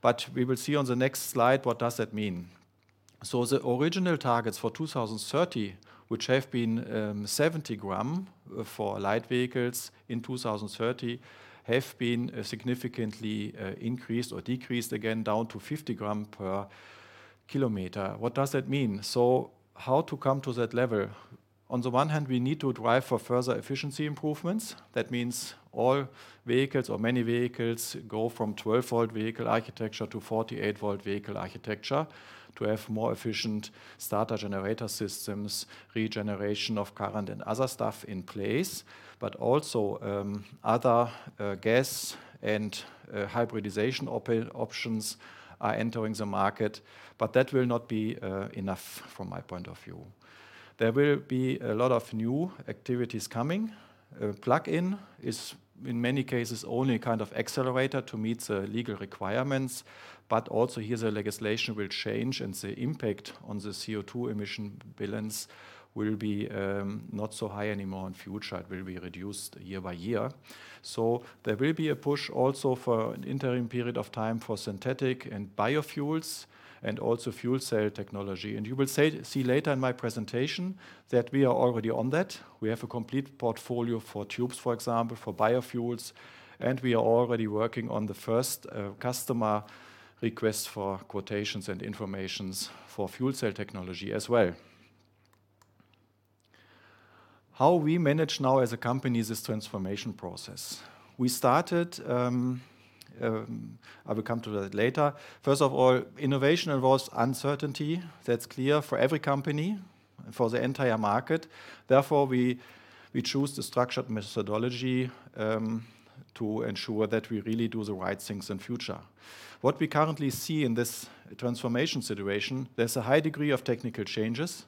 but we will see on the next slide what does that mean. The original targets for 2030, which have been 70 gram for light vehicles in 2030, have been significantly increased or decreased again down to 50 gram per kilometer. What does that mean? How to come to that level? On the one hand, we need to drive for further efficiency improvements. That means all vehicles or many vehicles go from 12-volt vehicle architecture to 48-volt vehicle architecture to have more efficient starter generator systems, regeneration of current and other stuff in place, but also other gas and hybridization options are entering the market, but that will not be enough from my point of view. There will be a lot of new activities coming. Plug-in is, in many cases, only a kind of accelerator to meet the legal requirements, but also here, the legislation will change, and the impact on the CO₂ emission balance will be not so high anymore in future. It will be reduced year by year. There will be a push also for an interim period of time for synthetic and biofuels and also fuel cell technology. You will see later in my presentation that we are already on that. We have a complete portfolio for tubes, for example, for biofuels, and we are already working on the first customer RFQs and RFIs for fuel cell technology as well. How we manage now as a company this transformation process. We started. I will come to that later. First of all, innovation involves uncertainty. That's clear for every company, for the entire market. Therefore, we choose the structured methodology to ensure that we really do the right things in future. What we currently see in this transformation situation, there's a high degree of technical changes.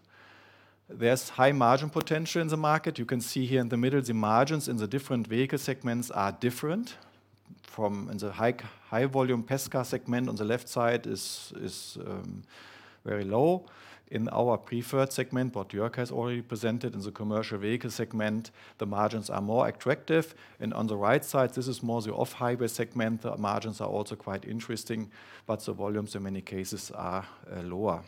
There's high margin potential in the market. You can see here in the middle, the margins in the different vehicle segments are different from in the high volume passenger car segment on the left side is very low. In our preferred segment, what Jörg has already presented in the commercial vehicle segment, the margins are more attractive. On the right side, this is more the off-highway segment. The margins are also quite interesting, but the volumes in many cases are lower.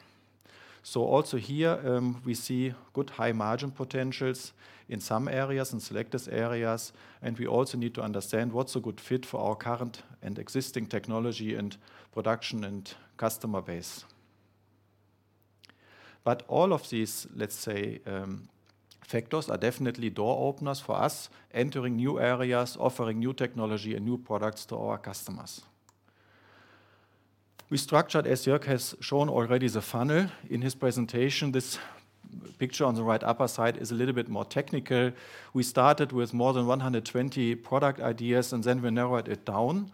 Also here, we see good high margin potentials in some areas, in selected areas, and we also need to understand what's a good fit for our current and existing technology and production and customer base. All of these, let's say, factors are definitely door openers for us entering new areas, offering new technology and new products to our customers. We structured, as Jörg has shown already, the funnel in his presentation. This picture on the right upper side is a little bit more technical. We started with more than 120 product ideas, and then we narrowed it down,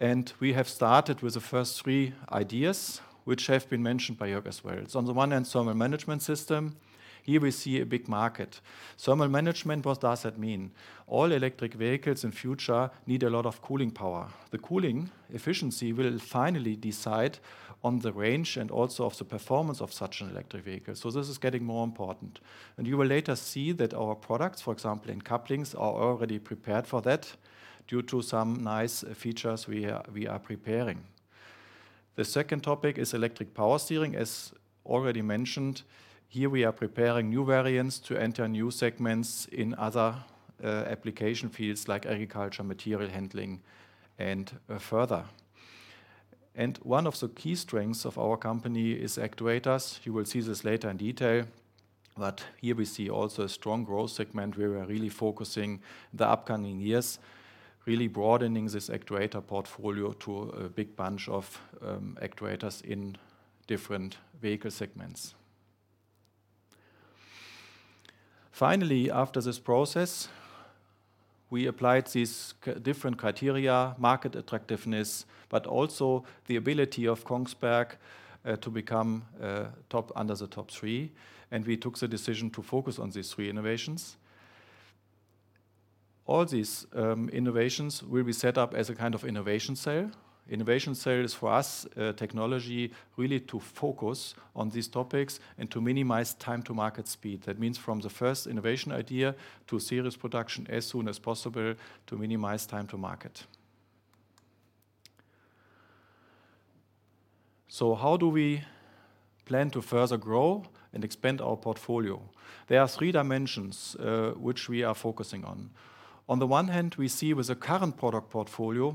and we have started with the first three ideas, which have been mentioned by Jörg as well. It's on the one hand, thermal management system. Here we see a big market. Thermal management, what does that mean? All electric vehicles in future need a lot of cooling power. The cooling efficiency will finally decide on the range and also of the performance of such an electric vehicle. So this is getting more important. You will later see that our products, for example, in couplings, are already prepared for that due to some nice features we are preparing. The second topic is electric power steering, as already mentioned. Here we are preparing new variants to enter new segments in other application fields like agriculture, material handling, and further. One of the key strengths of our company is actuators. You will see this later in detail, but here we see also a strong growth segment where we're really focusing the upcoming years, really broadening this actuator portfolio to a big bunch of actuators in different vehicle segments. Finally, after this process, we applied these different criteria, market attractiveness, but also the ability of Kongsberg to become under the top three, and we took the decision to focus on these three innovations. All these innovations will be set up as a kind of innovation cell. Innovation cell is, for us, a technology really to focus on these topics and to minimize time to market speed. That means from the first innovation idea to serious production as soon as possible to minimize time to market. How do we plan to further grow and expand our portfolio? There are three dimensions which we are focusing on. On the one hand, we see with the current product portfolio,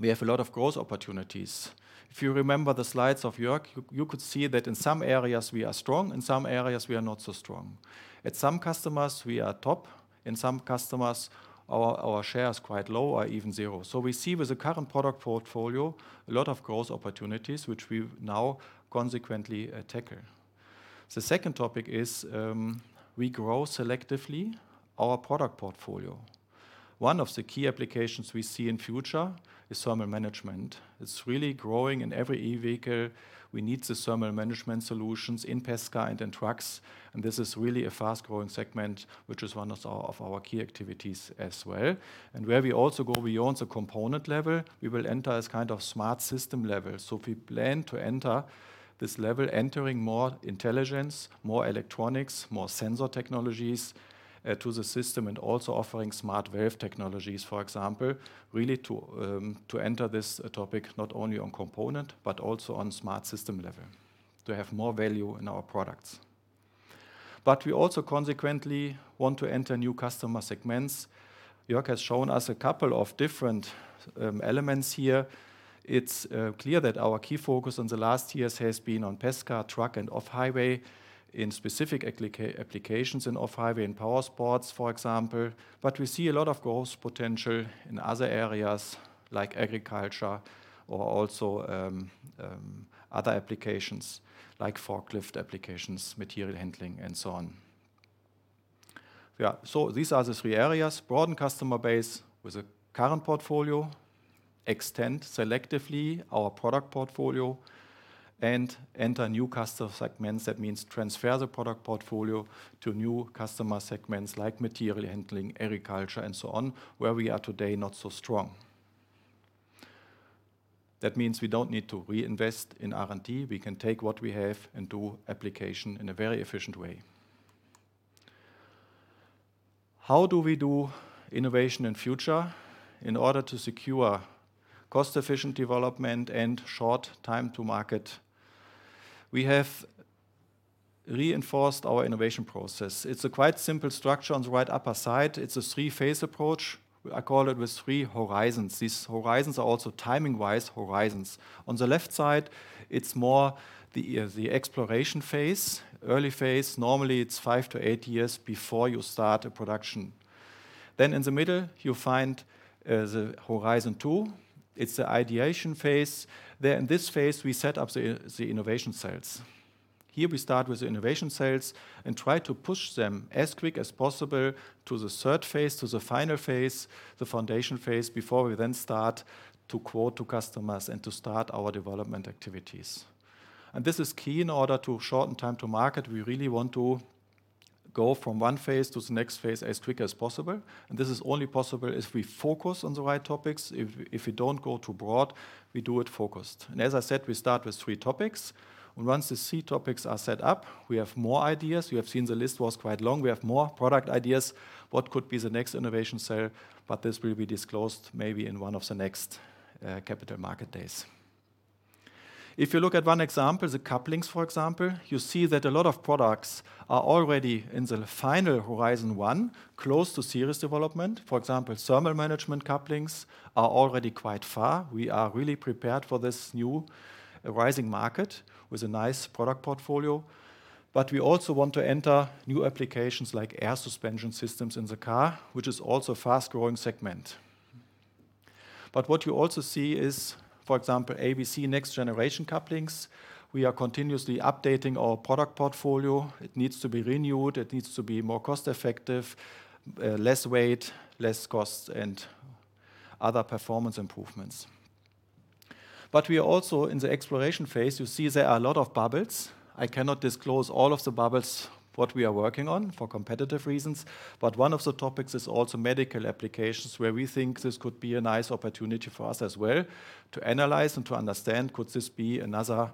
we have a lot of growth opportunities. If you remember the slides of Jörg, you could see that in some areas we are strong, in some areas we are not so strong. At some customers, we are top. In some customers, our share is quite low or even zero. We see with the current product portfolio a lot of growth opportunities which we now consequently tackle. The second topic is, we grow selectively our product portfolio. One of the key applications we see in future is thermal management. It's really growing in every e-vehicle. We need the thermal management solutions in passenger cars and in trucks, and this is really a fast-growing segment, which is one of our key activities as well. Where we also go beyond the component level, we will enter as kind of smart system level. If we plan to enter this level, entering more intelligence, more electronics, more sensor technologies to the system, and also offering smart valve technologies, for example, really to enter this topic not only on component, but also on smart system level, to have more value in our products. We also consequently want to enter new customer segments. Jörg has shown us a couple of different elements here. It's clear that our key focus on the last years has been on passenger car, truck and off-highway in specific applications in off-highway, in powersports, for example. We see a lot of growth potential in other areas like agriculture or also other applications like forklift applications, material handling and so on. Yeah. These are the three areas. Broaden customer base with the current portfolio, extend selectively our product portfolio, and enter new customer segments. That means transfer the product portfolio to new customer segments like material handling, agriculture and so on, where we are today not so strong. That means we don't need to reinvest in R&D. We can take what we have and do application in a very efficient way. How do we do innovation in future in order to secure cost-efficient development and short time to market? We have reinforced our innovation process. It's a quite simple structure on the right upper side. It's a three-phase approach. I call it with three horizons. These horizons are also timing-wise horizons. On the left side, it's more the exploration phase, early phase. Normally, it's five to eight years before you start a production. Then in the middle, you find the horizon two. It's the ideation phase. There in this phase, we set up the innovation cells. Here we start with the innovation cells and try to push them as quick as possible to the third phase, to the final phase, the foundation phase, before we then start to quote to customers and to start our development activities. This is key in order to shorten time to market. We really want to go from one phase to the next phase as quick as possible, and this is only possible if we focus on the right topics. If we don't go too broad, we do it focused. As I said, we start with three topics. Once the three topics are set up, we have more ideas. You have seen the list was quite long. We have more product ideas. What could be the next innovation cell? This will be disclosed maybe in one of the next capital market days. If you look at one example, the couplings, for example, you see that a lot of products are already in the final horizon one, close to series development. For example, thermal management couplings are already quite far. We are really prepared for this new rising market with a nice product portfolio. We also want to enter new applications like air suspension systems in the car, which is also a fast-growing segment. What you also see is, for example, ABC next generation couplings. We are continuously updating our product portfolio. It needs to be renewed. It needs to be more cost-effective, less weight, less costs and other performance improvements. We are also in the exploration phase. You see there are a lot of bubbles. I cannot disclose all of the bubbles, what we are working on for competitive reasons, but one of the topics is also medical applications, where we think this could be a nice opportunity for us as well to analyze and to understand, could this be another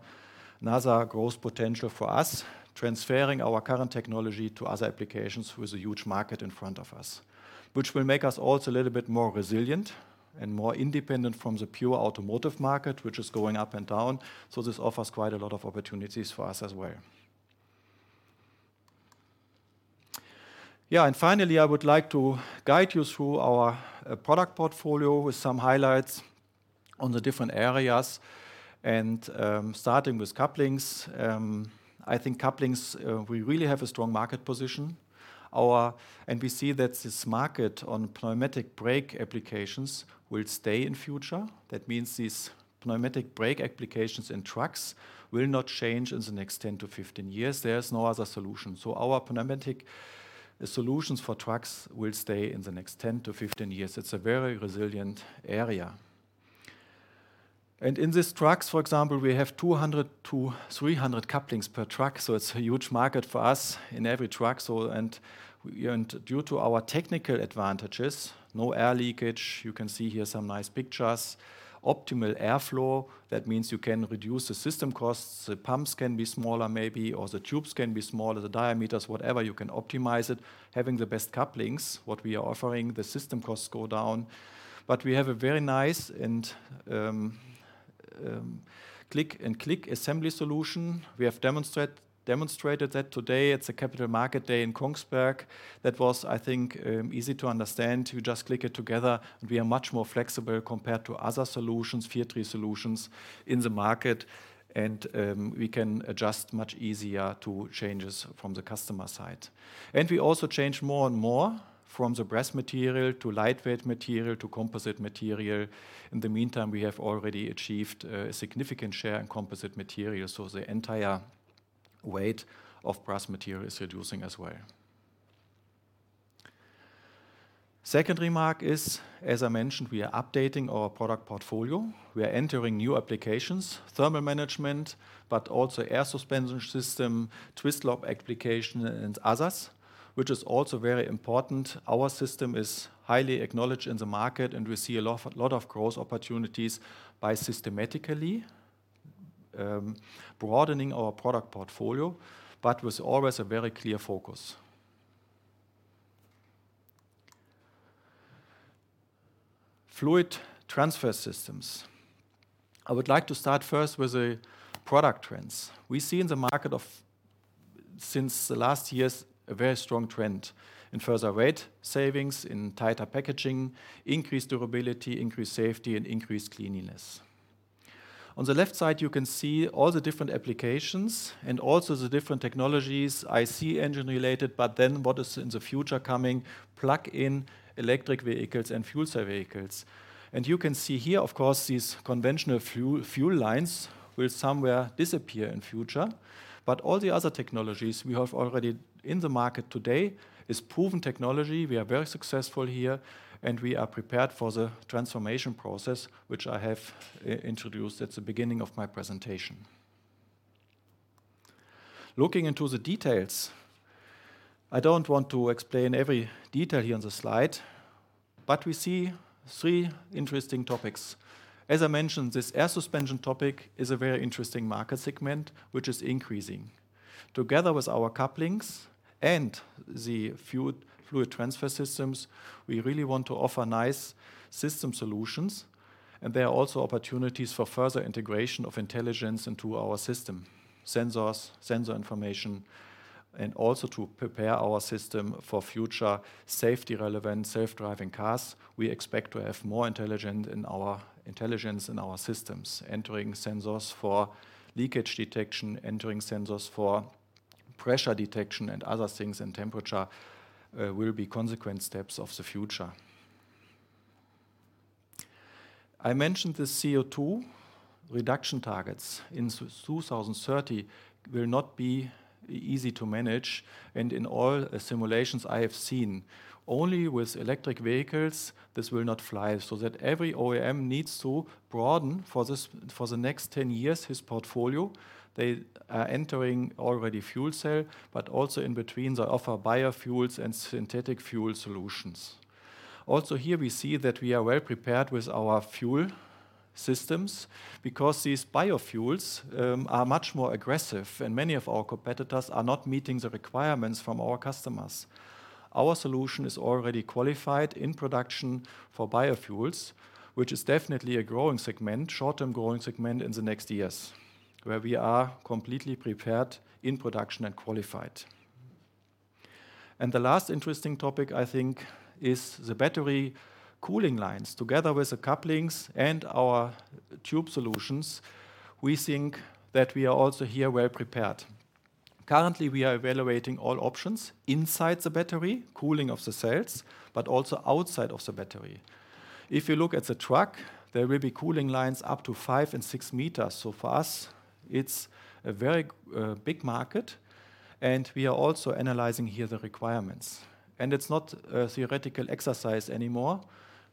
growth potential for us, transferring our current technology to other applications with a huge market in front of us. Which will make us also a little bit more resilient and more independent from the pure automotive market, which is going up and down, so this offers quite a lot of opportunities for us as well. Finally, I would like to guide you through our product portfolio with some highlights on the different areas and starting with couplings. I think couplings, we really have a strong market position. We see that this market on pneumatic brake applications will stay in future. That means these pneumatic brake applications in trucks will not change in the next 10-15 years. There's no other solution. Our pneumatic solutions for trucks will stay in the next 10-15 years. It's a very resilient area. In these trucks, for example, we have 200-300 couplings per truck, so it's a huge market for us in every truck. Due to our technical advantages, no air leakage, you can see here some nice pictures, optimal airflow, that means you can reduce the system costs. The pumps can be smaller maybe, or the tubes can be smaller, the diameters, whatever, you can optimize it. Having the best couplings, what we are offering, the system costs go down. We have a very nice and click and click assembly solution. We have demonstrated that today at the Capital Markets Day in Kongsberg. That was, I think, easy to understand. You just click it together, and we are much more flexible compared to other solutions, field three solutions in the market and we can adjust much easier to changes from the customer side. We also change more and more from the brass material to lightweight material to composite material. In the meantime, we have already achieved a significant share in composite material, so the entire weight of brass material is reducing as well. Second remark is, as I mentioned, we are updating our product portfolio. We are entering new applications, thermal management, but also air suspension system, twist lock application and others, which is also very important. Our system is highly acknowledged in the market, and we see a lot of growth opportunities by systematically broadening our product portfolio, but with always a very clear focus. Fluid Transfer Systems. I would like to start first with the product trends. We see in the market of, since the last years, a very strong trend in further weight savings, in tighter packaging, increased durability, increased safety, and increased cleanliness. On the left side, you can see all the different applications and also the different technologies, ICE engine-related, but then what is in the future coming, plug-in electric vehicles and fuel cell vehicles. You can see here, of course, these conventional fuel lines will somewhere disappear in future. All the other technologies we have already in the market today is proven technology. We are very successful here, and we are prepared for the transformation process, which I have introduced at the beginning of my presentation. Looking into the details, I don't want to explain every detail here on the slide, but we see three interesting topics. As I mentioned, this air suspension topic is a very interesting market segment which is increasing. Together with our couplings and the fluid transfer systems, we really want to offer nice system solutions, and there are also opportunities for further integration of intelligence into our system, sensors, sensor information, and also to prepare our system for future safety relevant, self-driving cars. We expect to have more intelligence in our systems. Entering sensors for leakage detection, entering sensors for pressure detection and other things, and temperature will be consequent steps of the future. I mentioned the CO2 reduction targets in 2030 will not be easy to manage, and in all simulations I have seen, only with electric vehicles, this will not fly, so that every OEM needs to broaden for this, for the next 10 years, his portfolio. They are already entering fuel cell, but also in between, they offer biofuels and synthetic fuel solutions. Here, we see that we are well prepared with our fuel systems because these biofuels are much more aggressive and many of our competitors are not meeting the requirements from our customers. Our solution is already qualified in production for biofuels, which is definitely a growing segment in the next years, where we are completely prepared in production and qualified. The last interesting topic, I think, is the battery cooling lines. Together with the couplings and our tube solutions, we think that we are also here well prepared. Currently, we are evaluating all options inside the battery, cooling of the cells, but also outside of the battery. If you look at the truck, there will be cooling lines up to 5 and 6 meters. For us, it's a very big market, and we are also analyzing here the requirements. It's not a theoretical exercise anymore.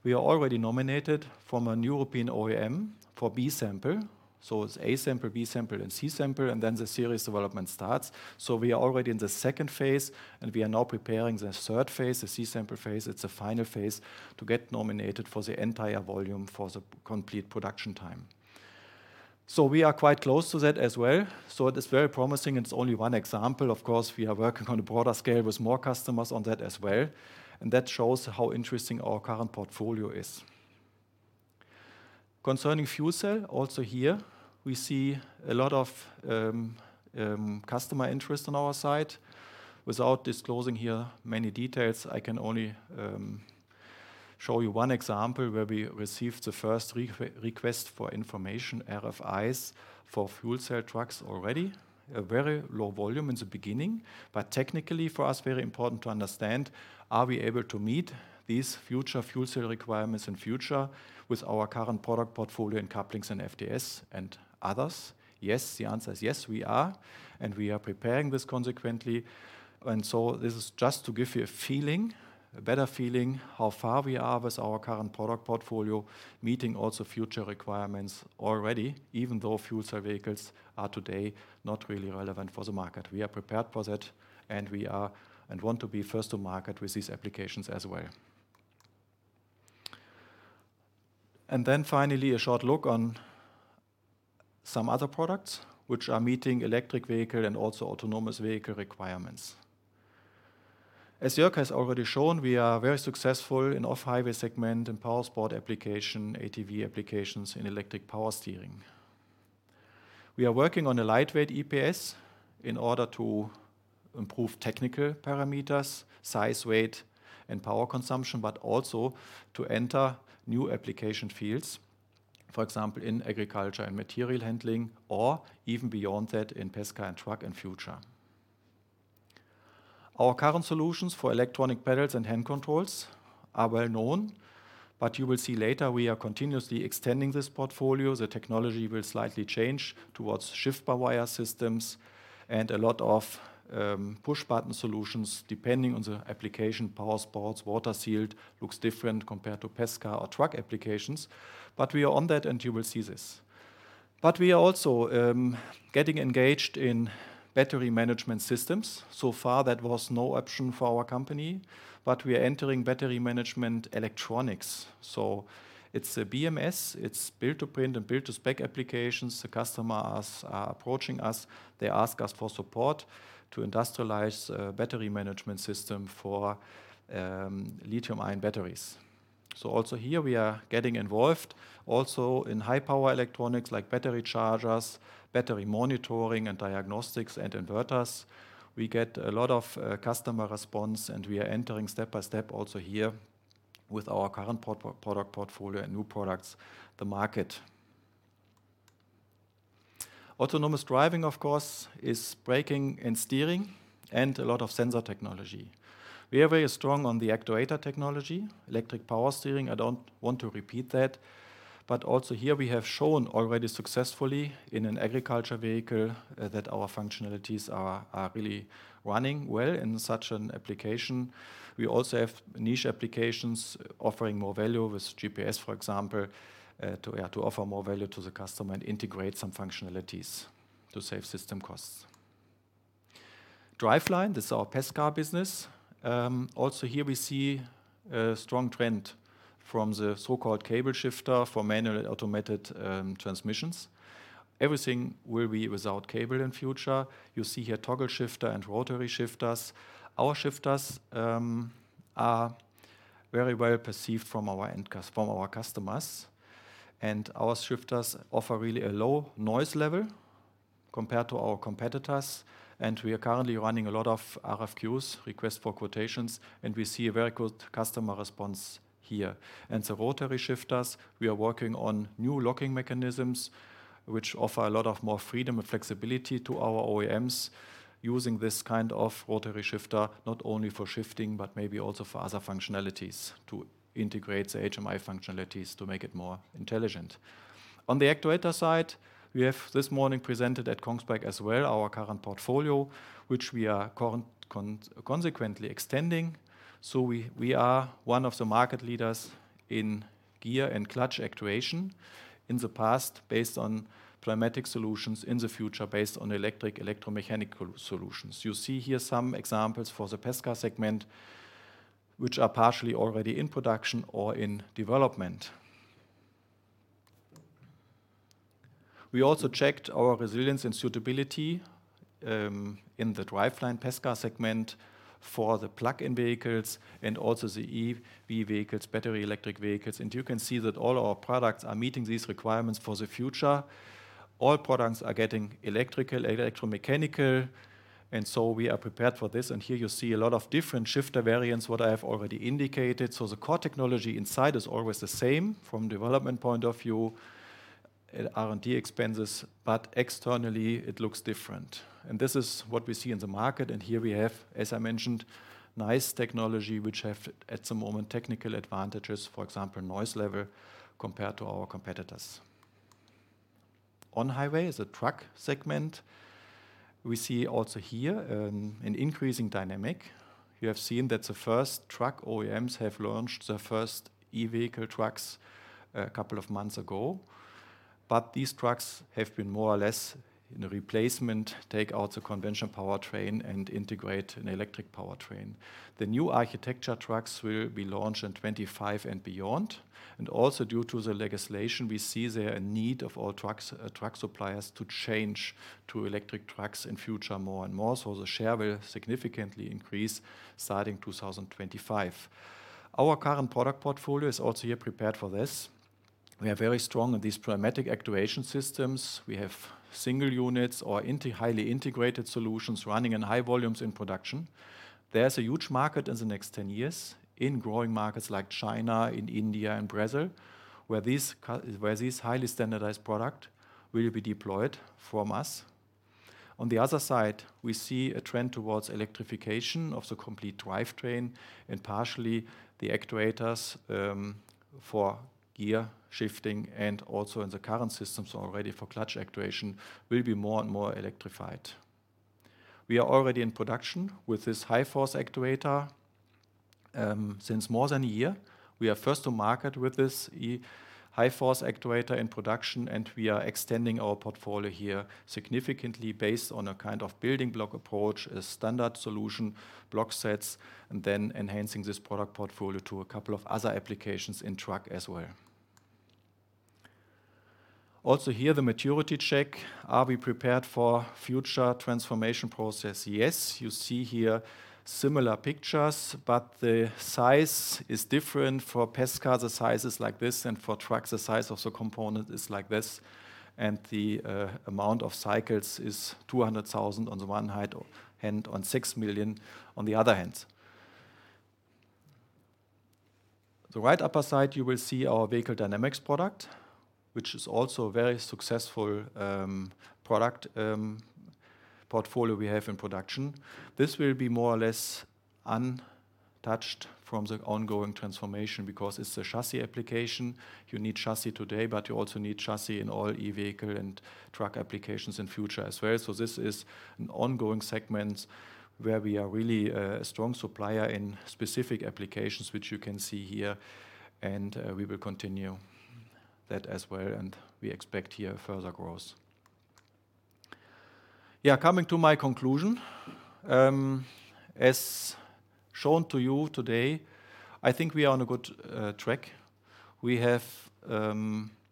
We are already nominated from a European OEM for B-sample. It's A-sample, B-sample, and C-sample, and then the series development starts. We are already in the second phase, and we are now preparing the third phase, the C-sample phase. It's the final phase to get nominated for the entire volume for the complete production time. We are quite close to that as well. It is very promising. It's only one example. Of course, we are working on a broader scale with more customers on that as well, and that shows how interesting our current portfolio is. Concerning fuel cell, also here, we see a lot of customer interest on our side. Without disclosing here many details, I can only show you one example where we received the first request for information, RFIs, for fuel cell trucks already. A very low volume in the beginning, but technically for us, very important to understand, are we able to meet these future fuel cell requirements in future with our current product portfolio in couplings and FTS and others? Yes. The answer is yes, we are, and we are preparing this consequently. This is just to give you a feeling, a better feeling, how far we are with our current product portfolio, meeting also future requirements already, even though fuel cell vehicles are today not really relevant for the market. We are prepared for that, and we want to be first to market with these applications as well. Finally, a short look on some other products which are meeting electric vehicle and also autonomous vehicle requirements. As Jörg has already shown, we are very successful in off-highway segment and powersport application, ATV applications, and electric power steering. We are working on a lightweight EPS in order to improve technical parameters, size, weight, and power consumption, but also to enter new application fields, for example, in agriculture and material handling or even beyond that in passenger car and truck in future. Our current solutions for electronic pedals and hand controls are well known, but you will see later we are continuously extending this portfolio. The technology will slightly change towards shift-by-wire systems and a lot of push-button solutions, depending on the application, powersports, watercraft, looks different compared to passenger car or truck applications. We are on that, and you will see this. We are also getting engaged in battery management systems. So far, that was no option for our company, but we are entering battery management electronics. It's a BMS, it's build-to-print and build-to-spec applications. The customers are approaching us. They ask us for support to industrialize battery management system for lithium-ion batteries. Also here we are getting involved also in high power electronics like battery chargers, battery monitoring and diagnostics, and inverters. We get a lot of customer response, and we are entering step by step also here with our current product portfolio and new products the market. Autonomous driving, of course, is braking and steering and a lot of sensor technology. We are very strong on the actuator technology, electric power steering. I don't want to repeat that, but also here we have shown already successfully in an agriculture vehicle that our functionalities are really running well in such an application. We also have niche applications offering more value with GPS, for example, to offer more value to the customer and integrate some functionalities to save system costs. Driveline, this is our P&C business. Also here we see a strong trend from the so-called cable shifter for manual and automated transmissions. Everything will be without cable in future. You see here toggle shifter and rotary shifters. Our shifters are very well perceived from our customers. Our shifters offer really a low noise level compared to our competitors. We are currently running a lot of RFQs, request for quotations, and we see a very good customer response here. The rotary shifters, we are working on new locking mechanisms which offer a lot more freedom and flexibility to our OEMs using this kind of rotary shifter, not only for shifting but maybe also for other functionalities, to integrate the HMI functionalities to make it more intelligent. On the actuator side, we have this morning presented at Kongsberg as well our current portfolio, which we are consequently extending. We are one of the market leaders in gear and clutch actuation. In the past based on pneumatic solutions, in the future based on electromechanical solutions. You see here some examples for the passenger car segment, which are partially already in production or in development. We also checked our resilience and suitability in the driveline passenger car segment for the plug-in vehicles and also the EV vehicles, battery electric vehicles. You can see that all our products are meeting these requirements for the future. All products are getting electrical, electromechanical, and so we are prepared for this. Here you see a lot of different shifter variants, what I have already indicated. The core technology inside is always the same from development point of view at R&D expenses, but externally it looks different. This is what we see in the market. Here we have, as I mentioned, nice technology which have at the moment technical advantages, for example, noise level compared to our competitors. On highway is a truck segment. We see also here an increasing dynamic. You have seen that the first truck OEMs have launched the first e-vehicle trucks a couple of months ago. These trucks have been more or less in a replacement, take out the conventional powertrain and integrate an electric powertrain. The new architecture trucks will be launched in 2025 and beyond. Due to the legislation, we see there a need of all trucks, truck suppliers to change to electric trucks in future more and more. The share will significantly increase starting 2025. Our current product portfolio is also here prepared for this. We are very strong in these pneumatic actuation systems. We have single units or highly integrated solutions running in high volumes in production. There's a huge market in the next 10 years in growing markets like China, in India and Brazil, where these highly standardized product will be deployed from us. On the other side, we see a trend towards electrification of the complete drivetrain and partially the actuators for gear shifting and also in the current systems already for clutch actuation, will be more and more electrified. We are already in production with this high force actuator since more than a year. We are first to market with this high force actuator in production, and we are extending our portfolio here significantly based on a kind of building block approach, a standard solution, block sets, and then enhancing this product portfolio to a couple of other applications in truck as well. Also here, the maturity check. Are we prepared for future transformation process? Yes. You see here similar pictures, but the size is different. For passenger car, the size is like this, and for trucks, the size of the component is like this. The amount of cycles is 200,000 on the one hand and on six million on the other hand. The right upper side, you will see our vehicle dynamics product, which is also a very successful product portfolio we have in production. This will be more or less untouched from the ongoing transformation because it's a chassis application. You need chassis today, but you also need chassis in all e-vehicle and truck applications in future as well. This is an ongoing segment where we are really a strong supplier in specific applications, which you can see here, and we will continue that as well, and we expect here further growth. Yeah, coming to my conclusion, as shown to you today, I think we are on a good track. We have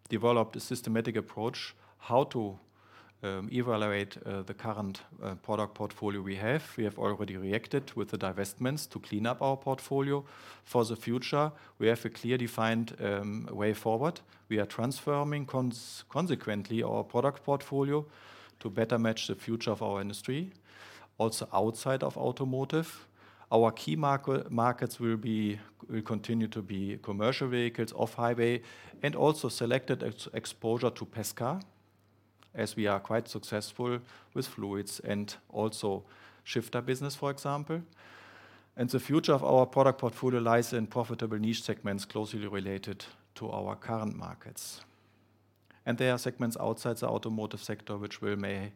developed a systematic approach how to evaluate the current product portfolio we have. We have already reacted with the divestments to clean up our portfolio. For the future, we have a clear, defined way forward. We are transforming consequently our product portfolio to better match the future of our industry. Also, outside of automotive, our key markets will continue to be commercial vehicles, off-highway, and also selected exposure to passenger cars, as we are quite successful with fluids and also shifter business, for example. The future of our product portfolio lies in profitable niche segments closely related to our current markets. There are segments outside the automotive sector which may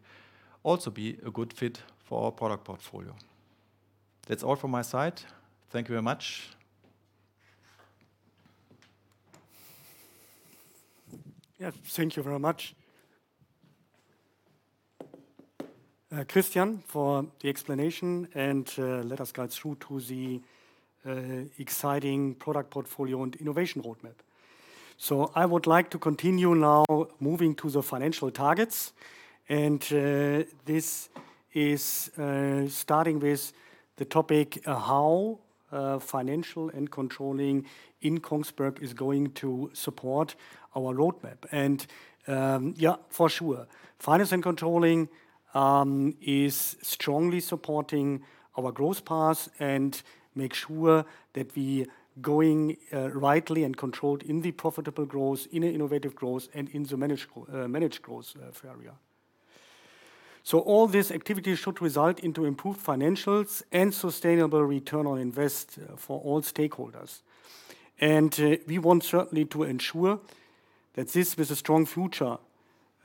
also be a good fit for our product portfolio. That's all from my side. Thank you very much. Yeah, thank you very much, Christian, for the explanation and let us guide through to the exciting product portfolio and innovation roadmap. I would like to continue now moving to the financial targets, and this is starting with the topic how financial and controlling in Kongsberg is going to support our roadmap. Finance and controlling is strongly supporting our growth path and make sure that we going rightly and controlled in the profitable growth, in an innovative growth, and in the managed growth area. All this activity should result into improved financials and sustainable return on investment for all stakeholders. We want certainly to ensure that this, with a strong future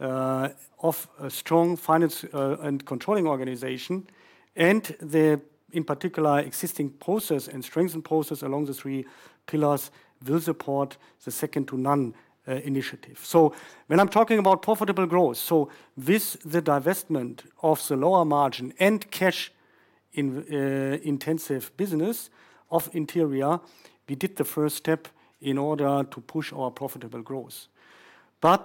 of a strong finance and controlling organization, and the in particular existing process and strengthened process along the three pillars will support the second to none initiative. When I'm talking about profitable growth, with the divestment of the lower margin and cash-intensive business of Interior, we did the first step in order to push our profitable growth.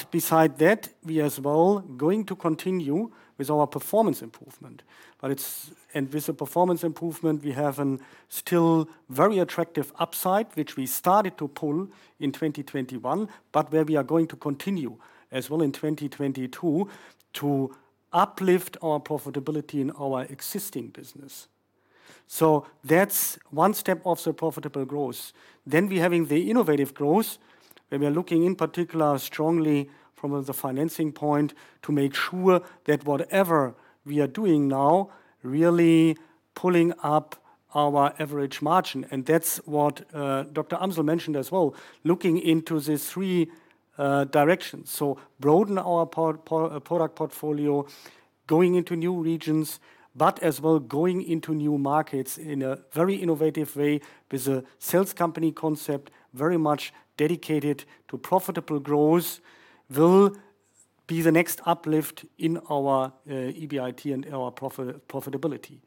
Beside that, we as well going to continue with our performance improvement. With the performance improvement, we have an still very attractive upside, which we started to pull in 2021, but where we are going to continue as well in 2022 to uplift our profitability in our existing business. That's one step of the profitable growth. We're having the innovative growth, where we are looking in particular strongly from the financing point to make sure that whatever we are doing now really pulling up our average margin, and that's what Dr. Amsel mentioned as well, looking into the three directions. Broaden our product portfolio, going into new regions, but as well going into new markets in a very innovative way with a sales company concept very much dedicated to profitable growth will be the next uplift in our EBIT and our profitability.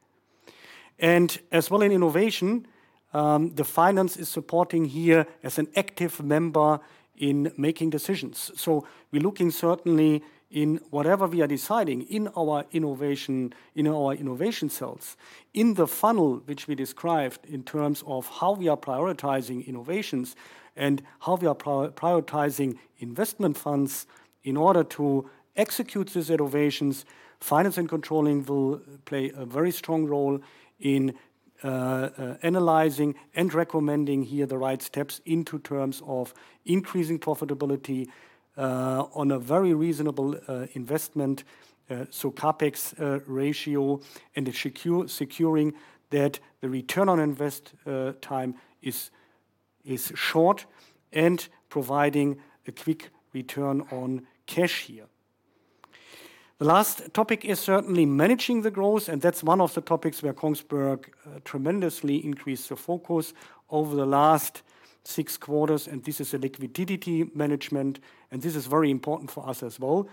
As well in innovation, the finance is supporting here as an active member in making decisions. We're looking certainly in whatever we are deciding in our innovation, in our innovation cells, in the funnel which we described in terms of how we are prioritizing innovations and how we are prioritizing investment funds in order to execute these innovations. Finance and controlling will play a very strong role in analyzing and recommending here the right steps in terms of increasing profitability on a very reasonable investment, so CapEx ratio, and securing that the return on invest time is short and providing a quick return on cash here. The last topic is certainly managing the growth, and that's one of the topics where Kongsberg tremendously increased the focus over the last six quarters, and this is the liquidity management, and this is very important for us as well,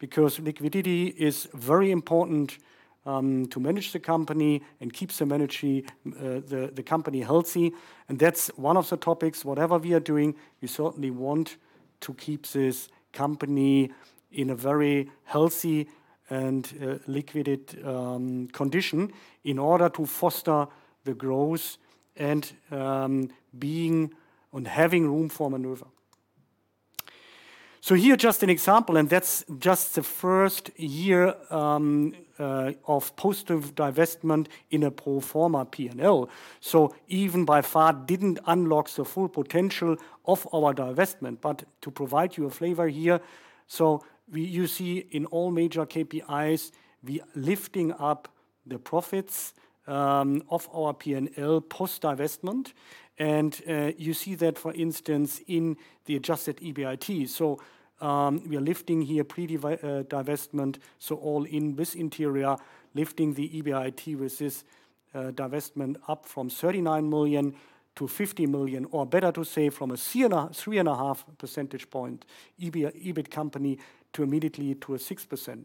because liquidity is very important to manage the company and keep the company healthy. That's one of the topics, whatever we are doing, we certainly want to keep this company in a very healthy and liquid condition in order to foster the growth and being and having room for maneuver. Here just an example, and that's just the first year of post divestment in a pro forma P&L. Even by far didn't unlock the full potential of our divestment, but to provide you a flavor here. You see in all major KPIs, we are lifting up the profits of our P&L post-divestment, and you see that, for instance, in the adjusted EBIT. We are lifting here pre divestment, so all-in with Interior, lifting the EBIT with this divestment up from 39 million to 50 million, or better to say, from a 3.5 percentage point EBIT company to immediately a 6%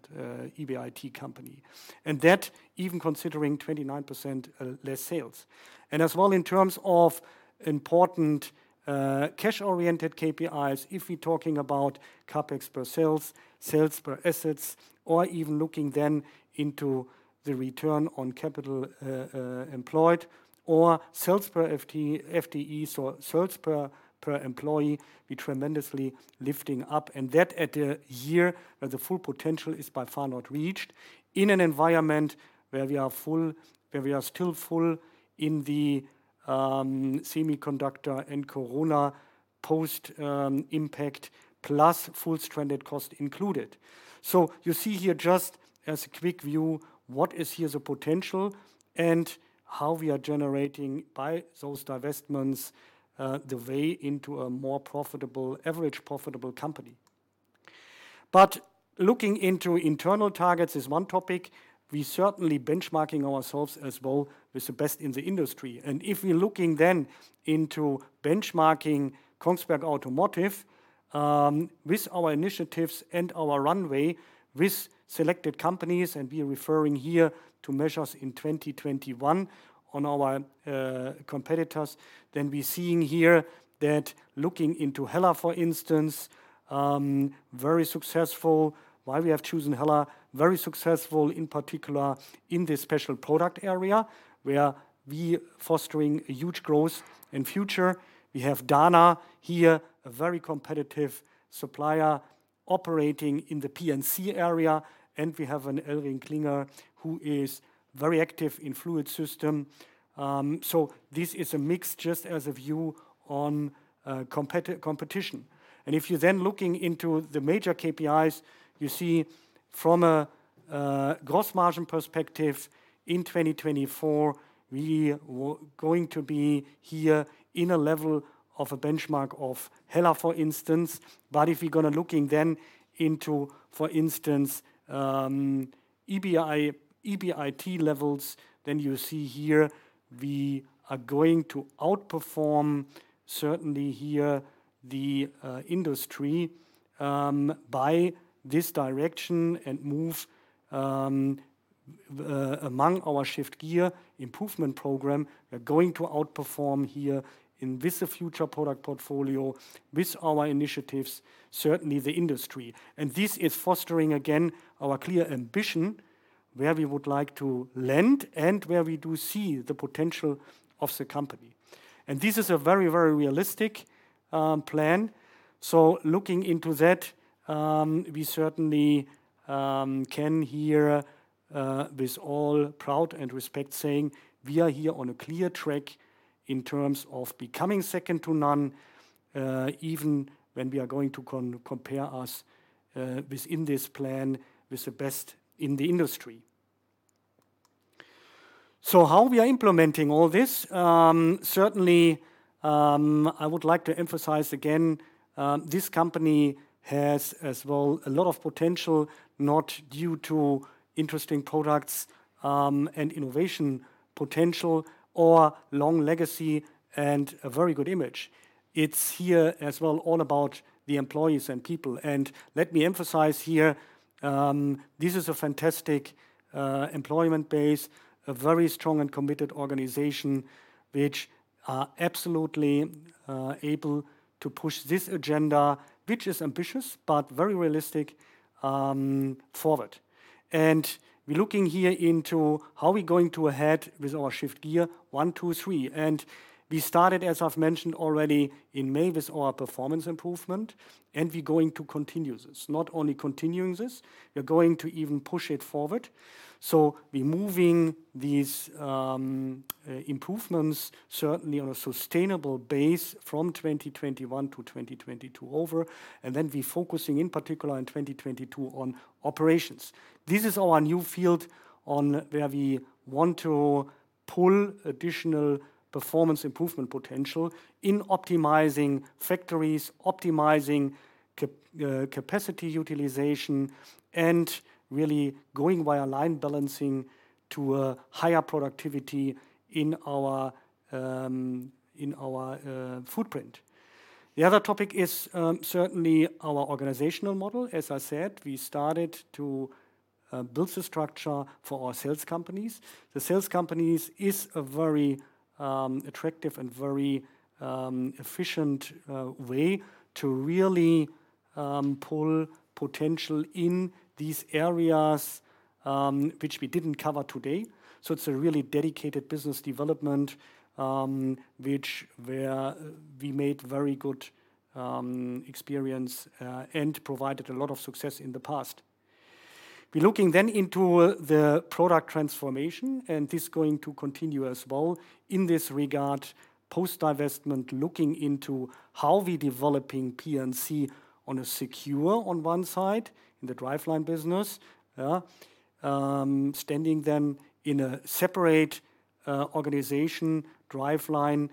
EBIT company. That even considering 29% less sales. As well in terms of important cash-oriented KPIs, if we're talking about CapEx per sales per assets, or even looking then into the return on capital employed or sales per FTEs or sales per employee, we tremendously lifting up. That in a year where the full potential is by far not reached in an environment where we are still full in the semiconductor and corona post impact, plus fully stranded costs included. You see here just as a quick view what the potential is here and how we are generating by those divestments the way into a more profitable, ever profitable company. Looking into internal targets is one topic. We certainly are benchmarking ourselves as well with the best in the industry. If we're looking then into benchmarking Kongsberg Automotive with our initiatives and our runway with selected companies, and we are referring here to measures in 2021 on our competitors, then we're seeing here that looking into HELLA, for instance, very successful. Why we have chosen HELLA, very successful, in particular, in this special product area, where we're fostering a huge growth in the future. We have Dana here, a very competitive supplier operating in the P&C area, and we have an ElringKlinger who is very active in fluid system. This is a mix, just as a view on competition. If you're then looking into the major KPIs, you see from a gross margin perspective, in 2024, we're going to be here in a level of a benchmark of HELLA, for instance. If we're going to look then into, for instance, EBIT levels, then you see here we are going to outperform certainly here the industry by this direction and move among our Shift Gear improvement program. We're going to outperform here in with the future product portfolio, with our initiatives, certainly the industry. This is fostering, again, our clear ambition, where we would like to land and where we do see the potential of the company. This is a very, very realistic plan. Looking into that, we certainly can hear with all pride and respect saying, "We are here on a clear track in terms of becoming second to none, even when we are going to compare us within this plan with the best in the industry." How we are implementing all this? Certainly, I would like to emphasize again, this company has as well a lot of potential, not due to interesting products and innovation potential or long legacy and a very good image. It's here as well all about the employees and people. Let me emphasize here, this is a fantastic employment base, a very strong and committed organization, which are absolutely able to push this agenda, which is ambitious but very realistic, forward. We're looking here into how we're going ahead with our Shift Gear one, two, three. We started, as I've mentioned already, in May with our performance improvement, and we're going to continue this. Not only continuing this, we're going to even push it forward. We're moving these improvements certainly on a sustainable base from 2021 to 2022 over, and then we're focusing in particular in 2022 on operations. This is our new field on where we want to pull additional performance improvement potential in optimizing factories, optimizing capacity utilization, and really going via line balancing to a higher productivity in our footprint. The other topic is certainly our organizational model. As I said, we started to build the structure for our sales companies. The sales companies is a very attractive and very efficient way to really pull potential in these areas, which we didn't cover today. It's a really dedicated business development, which where we made very good experience, and provided a lot of success in the past. We're looking then into the product transformation, and this going to continue as well. In this regard, post-divestment, looking into how we're developing P&C on a secure on one side, in the driveline business, yeah. Standing them in a separate organization, driveline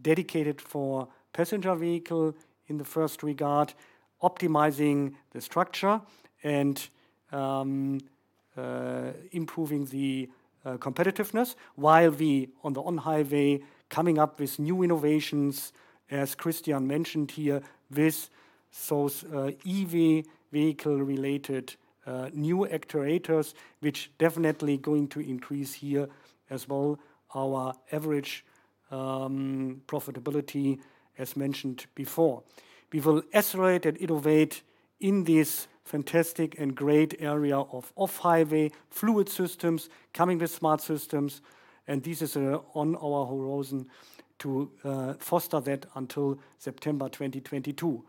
dedicated for passenger vehicle in the first regard, optimizing the structure, and improving the competitiveness while we on the on-highway coming up with new innovations, as Christian mentioned here. So, EV vehicle-related new actuators, which definitely going to increase here as well our average profitability as mentioned before. We will accelerate and innovate in this fantastic and great area of off-highway fluid systems coming with smart systems, and this is on our horizon to foster that until September 2022.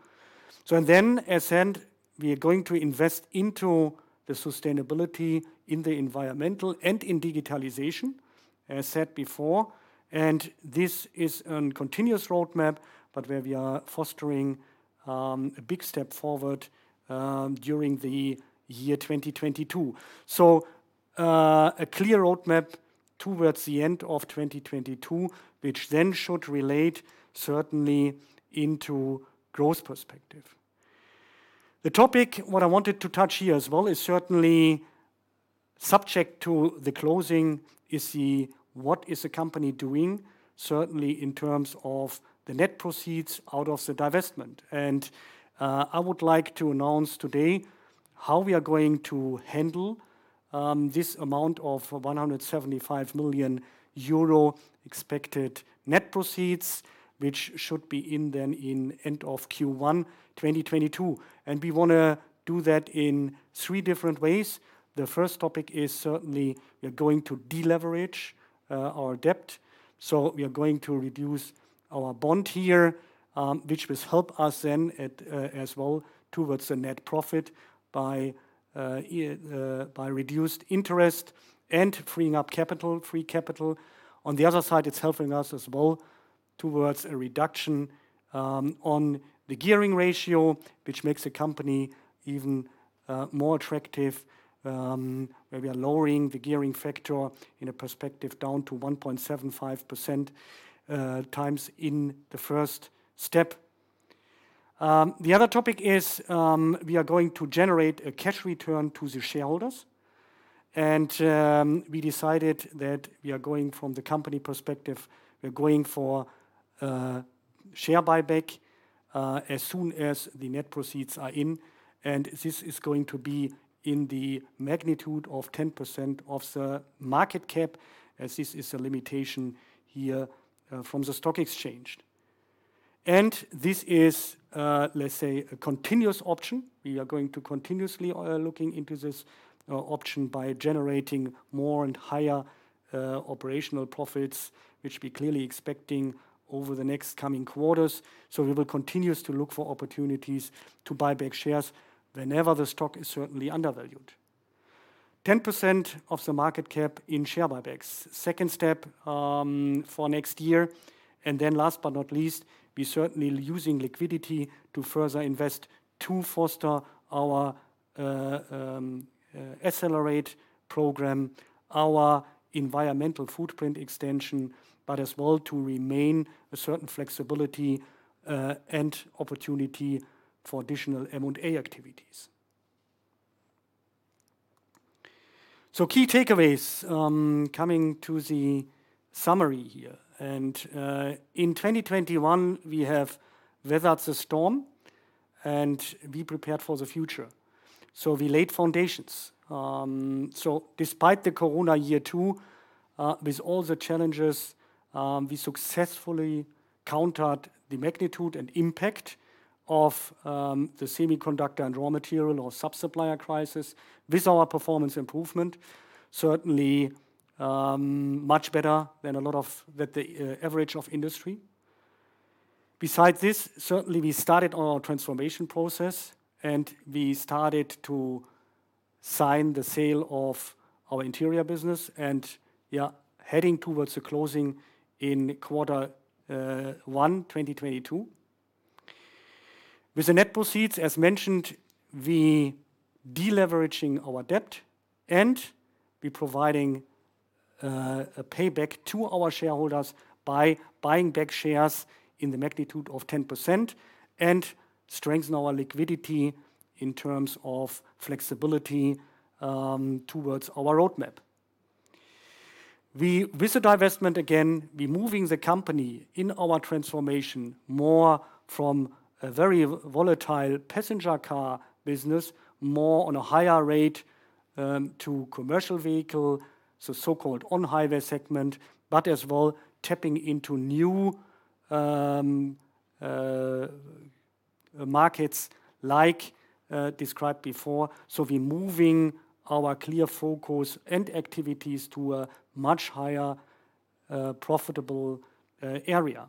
In the end, we are going to invest in sustainability, the environmental and digitalization, as said before, and this is a continuous roadmap, but where we are fostering a big step forward during the year 2022. A clear roadmap towards the end of 2022, which then should relate certainly into growth perspective. The topic what I wanted to touch here as well is certainly, subject to the closing, what is the company doing certainly in terms of the net proceeds out of the divestment. I would like to announce today how we are going to handle this amount of 175 million euro expected net proceeds, which should be in end of Q1 2022. We wanna do that in three different ways. The first topic is certainly we are going to deleverage our debt. We are going to reduce our bond here, which will help us then, as well towards the net profit by reduced interest and freeing up capital, free capital. On the other side, it's helping us as well towards a reduction on the gearing ratio, which makes the company even more attractive, where we are lowering the gearing factor in a perspective down to 1.75% times in the first step. The other topic is, we are going to generate a cash return to the shareholders. We decided that from the company perspective, we are going for share buyback as soon as the net proceeds are in, and this is going to be in the magnitude of 10% of the market cap, as this is a limitation here from the stock exchange. This is, let's say, a continuous option. We are going to continuously looking into this option by generating more and higher operational profits, which we clearly expecting over the next coming quarters. We will continues to look for opportunities to buy back shares whenever the stock is certainly undervalued. 10% of the market cap in share buybacks. Second step, for next year, and then last but not least, we certainly using liquidity to further invest to foster our accelerate program, our environmental footprint extension, but as well to remain a certain flexibility, and opportunity for additional M&A activities. Key takeaways, coming to the summary here. In 2021, we have weathered the storm, and we prepared for the future. We laid foundations. Despite the corona year two, with all the challenges, we successfully countered the magnitude and impact of the semiconductor and raw material or sub-supplier crisis with our performance improvement, certainly, much better than a lot of the average of industry. Besides this, certainly we started on our transformation process, and we started to sign the sale of our interior business, and we are heading towards the closing in quarter 1 2022. With the net proceeds, as mentioned, we deleveraging our debt, and we providing a payback to our shareholders by buying back shares in the magnitude of 10% and strengthen our liquidity in terms of flexibility towards our roadmap. With the divestment, again, we moving the company in our transformation more from a very volatile passenger car business, more on a higher rate to commercial vehicle, so-called on-highway segment, but as well tapping into new markets like described before. We moving our clear focus and activities to a much higher profitable area.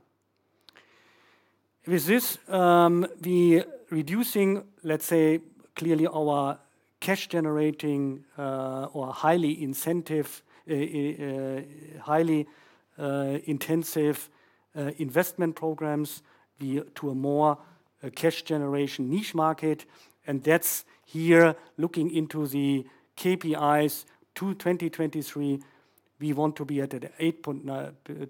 With this, we're reducing, let's say, clearly our cash generating or highly intensive investment programs to a more cash generation niche market. That's looking into the KPIs to 2023, we want to be at a 8.9%-9%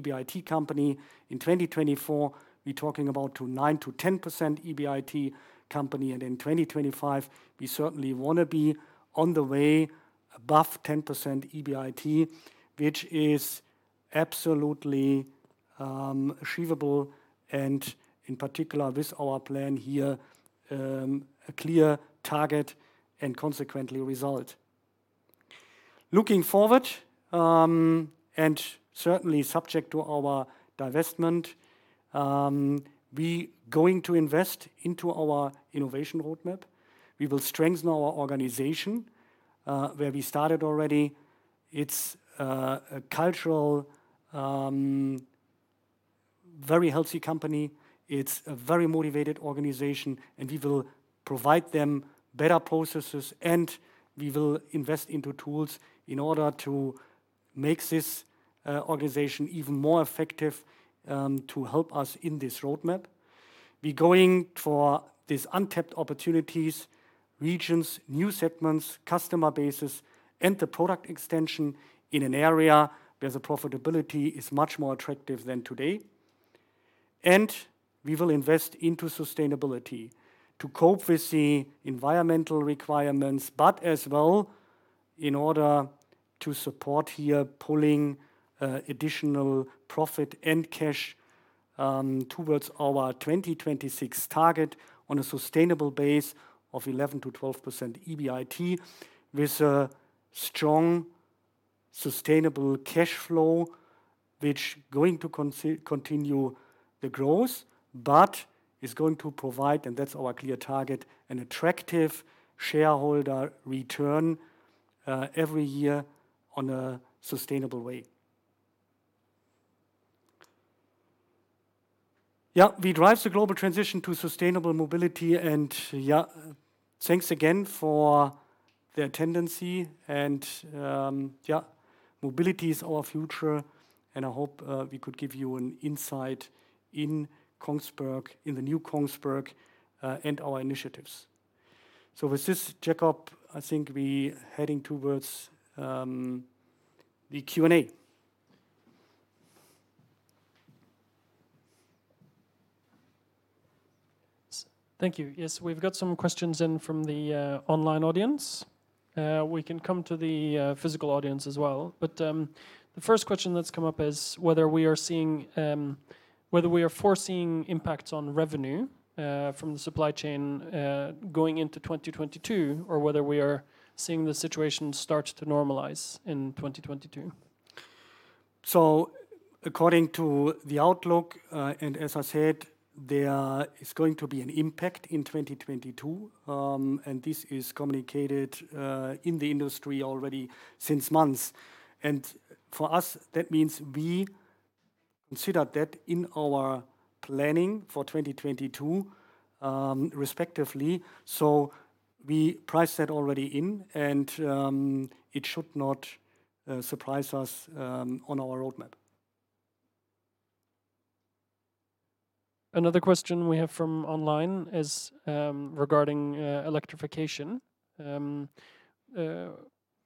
EBIT company. In 2024, we're talking about 9%-10% EBIT company. In 2025, we certainly wanna be on the way above 10% EBIT, which is absolutely achievable and in particular with our plan here, a clear target and consequently result. Looking forward, and certainly subject to our divestment, we're going to invest into our innovation roadmap. We will strengthen our organization, where we started already. It's a culturally very healthy company. It's a very motivated organization, and we will provide them better processes, and we will invest into tools in order to make this organization even more effective to help us in this roadmap. We're going for these untapped opportunities, regions, new segments, customer bases, and the product extension in an area where the profitability is much more attractive than today. We will invest into sustainability to cope with the environmental requirements, but as well, in order to support here pulling additional profit and cash towards our 2026 target on a sustainable base of 11%-12% EBIT with a strong, sustainable cash flow which going to continue the growth, but is going to provide, and that's our clear target, an attractive shareholder return every year on a sustainable way. Yeah. We drive the global transition to sustainable mobility, and yeah. Thanks again for the attendance. Mobility is our future, and I hope we could give you an insight in Kongsberg, in the new Kongsberg, and our initiatives. With this, Jacob, I think we heading towards the Q&A. Thank you. Yes. We've got some questions in from the online audience. We can come to the physical audience as well. The first question that's come up is whether we are foreseeing impacts on revenue from the supply chain going into 2022, or whether we are seeing the situation start to normalize in 2022? According to the outlook, and as I said, there is going to be an impact in 2022, and this is communicated in the industry already since months. For us, that means we consider that in our planning for 2022, respectively, so we priced that already in, and it should not surprise us on our roadmap. Another question we have from online is, regarding electrification.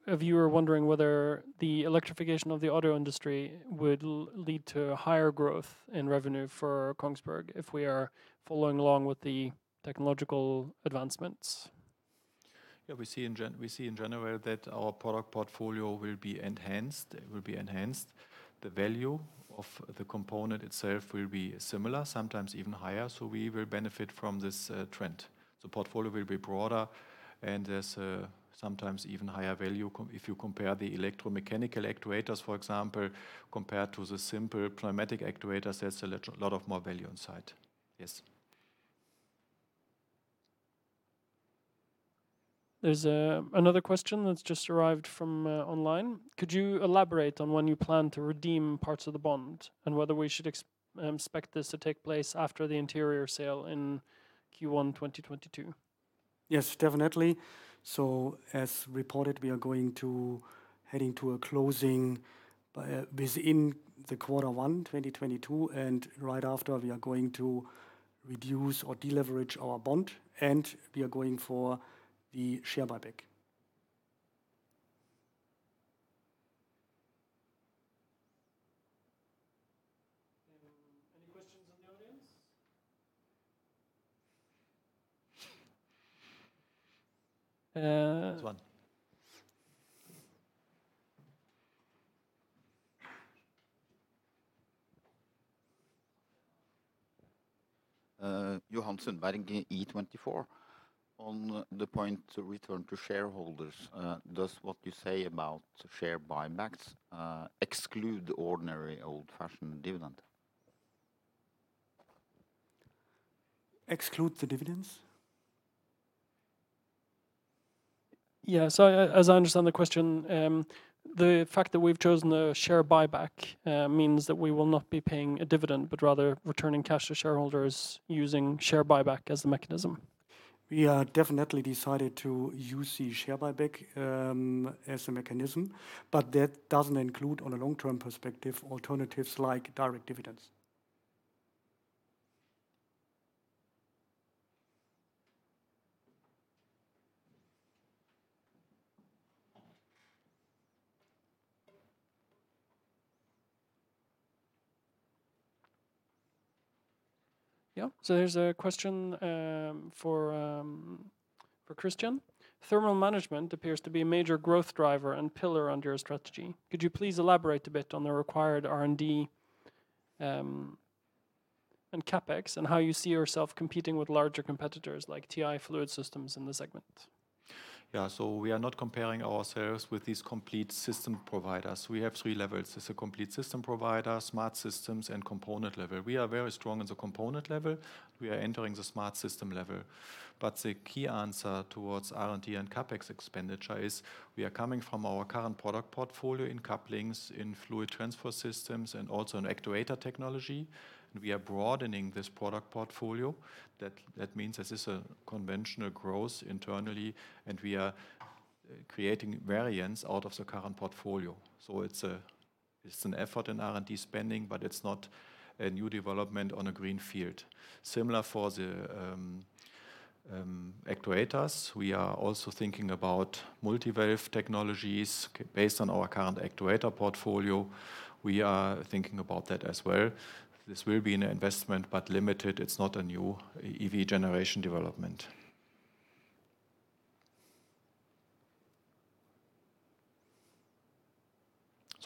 A viewer wondering whether the electrification of the auto industry would lead to higher growth in revenue for Kongsberg if we are following along with the technological advancements. Yeah. We see in general that our product portfolio will be enhanced. It will be enhanced. The value of the component itself will be similar, sometimes even higher, so we will benefit from this trend. The portfolio will be broader, and there's sometimes even higher value if you compare the electromechanical actuators, for example, compared to the simpler pneumatic actuators, there's a lot of more value inside. Yes. There's another question that's just arrived from online. Could you elaborate on when you plan to redeem parts of the bond and whether we should expect this to take place after the interior sale in Q1 2022? Yes, definitely. As reported, we are going to head to a closing by within Q1 2022, and right after we are going to reduce or deleverage our bond, and we are going for the share buyback. Any questions in the audience? Uh- There's one. Johansen, E24/Bergens Tidende. On the point to return to shareholders, does what you say about share buybacks exclude ordinary old-fashioned dividend? Exclude the dividends? As I understand the question, the fact that we've chosen a share buyback means that we will not be paying a dividend, but rather returning cash to shareholders using share buyback as the mechanism. We are definitely decided to use the share buyback, as a mechanism, but that doesn't include, on a long-term perspective, alternatives like direct dividends. There's a question for Christian. Thermal management appears to be a major growth driver and pillar under your strategy. Could you please elaborate a bit on the required R&D and CapEx, and how you see yourself competing with larger competitors like TI Fluid Systems in the segment? Yeah. We are not comparing ourselves with these complete system providers. We have three levels. There's a complete system provider, smart systems, and component level. We are very strong in the component level. We are entering the smart system level. But the key answer towards R&D and CapEx expenditure is we are coming from our current product portfolio in couplings, in fluid transfer systems, and also in actuator technology, and we are broadening this product portfolio. That means this is a conventional growth internally, and we are creating variants out of the current portfolio. It's an effort in R&D spending, but it's not a new development on a green field. Similar for the actuators, we are also thinking about multi-valve technologies based on our current actuator portfolio. We are thinking about that as well. This will be an investment, but limited. It's not a new EV generation development.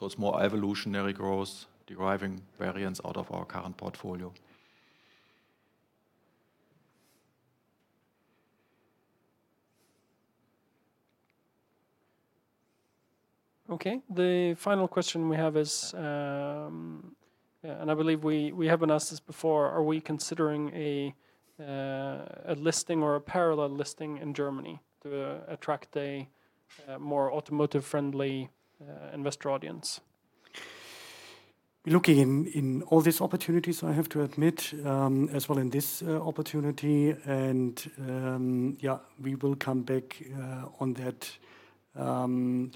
It's more evolutionary growth, deriving variants out of our current portfolio. Okay. The final question we have is, yeah, and I believe we have been asked this before. Are we considering a listing or a parallel listing in Germany to attract a more automotive-friendly investor audience? Looking into all these opportunities, I have to admit, as well in this opportunity, and yeah, we will come back on that,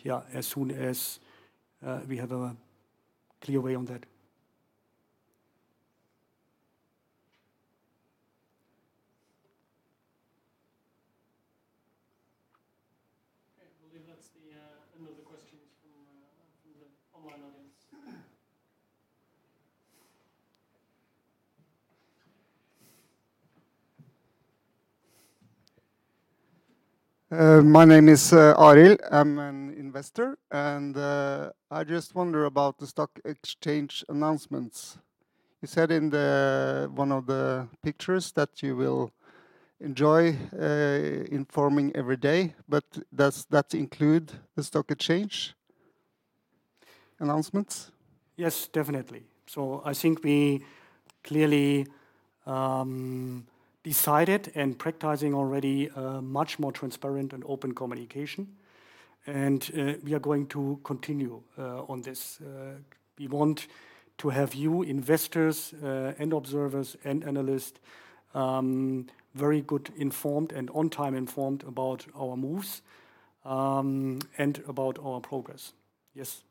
yeah, as soon as we have a clear way on that. Okay. I believe that's the end of the questions from the online audience. My name is Ariel. I'm an investor, and I just wonder about the stock exchange announcements. You said in one of the pictures that you will enjoy informing every day, but does that include the stock exchange announcements? Yes, definitely. I think we clearly decided and practicing already a much more transparent and open communication, and we are going to continue on this. We want to have you investors and observers and analysts very well informed and on-time informed about our moves and about our progress. Yes.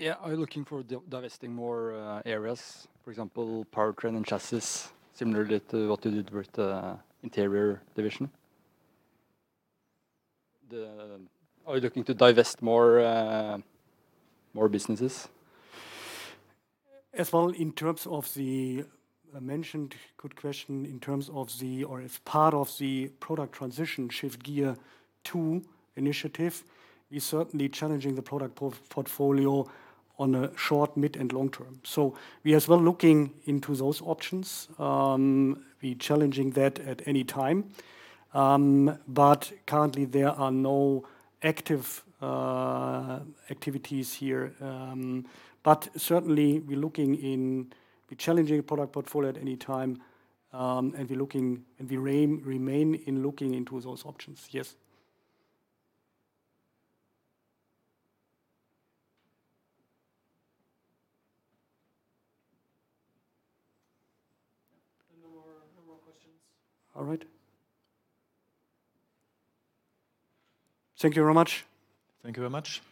Yeah. Are you looking to divest more areas, for example, powertrain and chassis, similarly to what you did with the interior division? Are you looking to divest more businesses? As well, in terms of the or as part of the product transition Shift Gear Two initiative, we're certainly challenging the product portfolio on a short, mid, and long term. We as well looking into those options, we challenging that at any time. Currently there are no active activities here. Certainly we're looking. We challenging product portfolio at any time, and we're looking, and we remain in looking into those options. Yes. Yeah. No more questions. All right. Thank you very much. Thank you very much.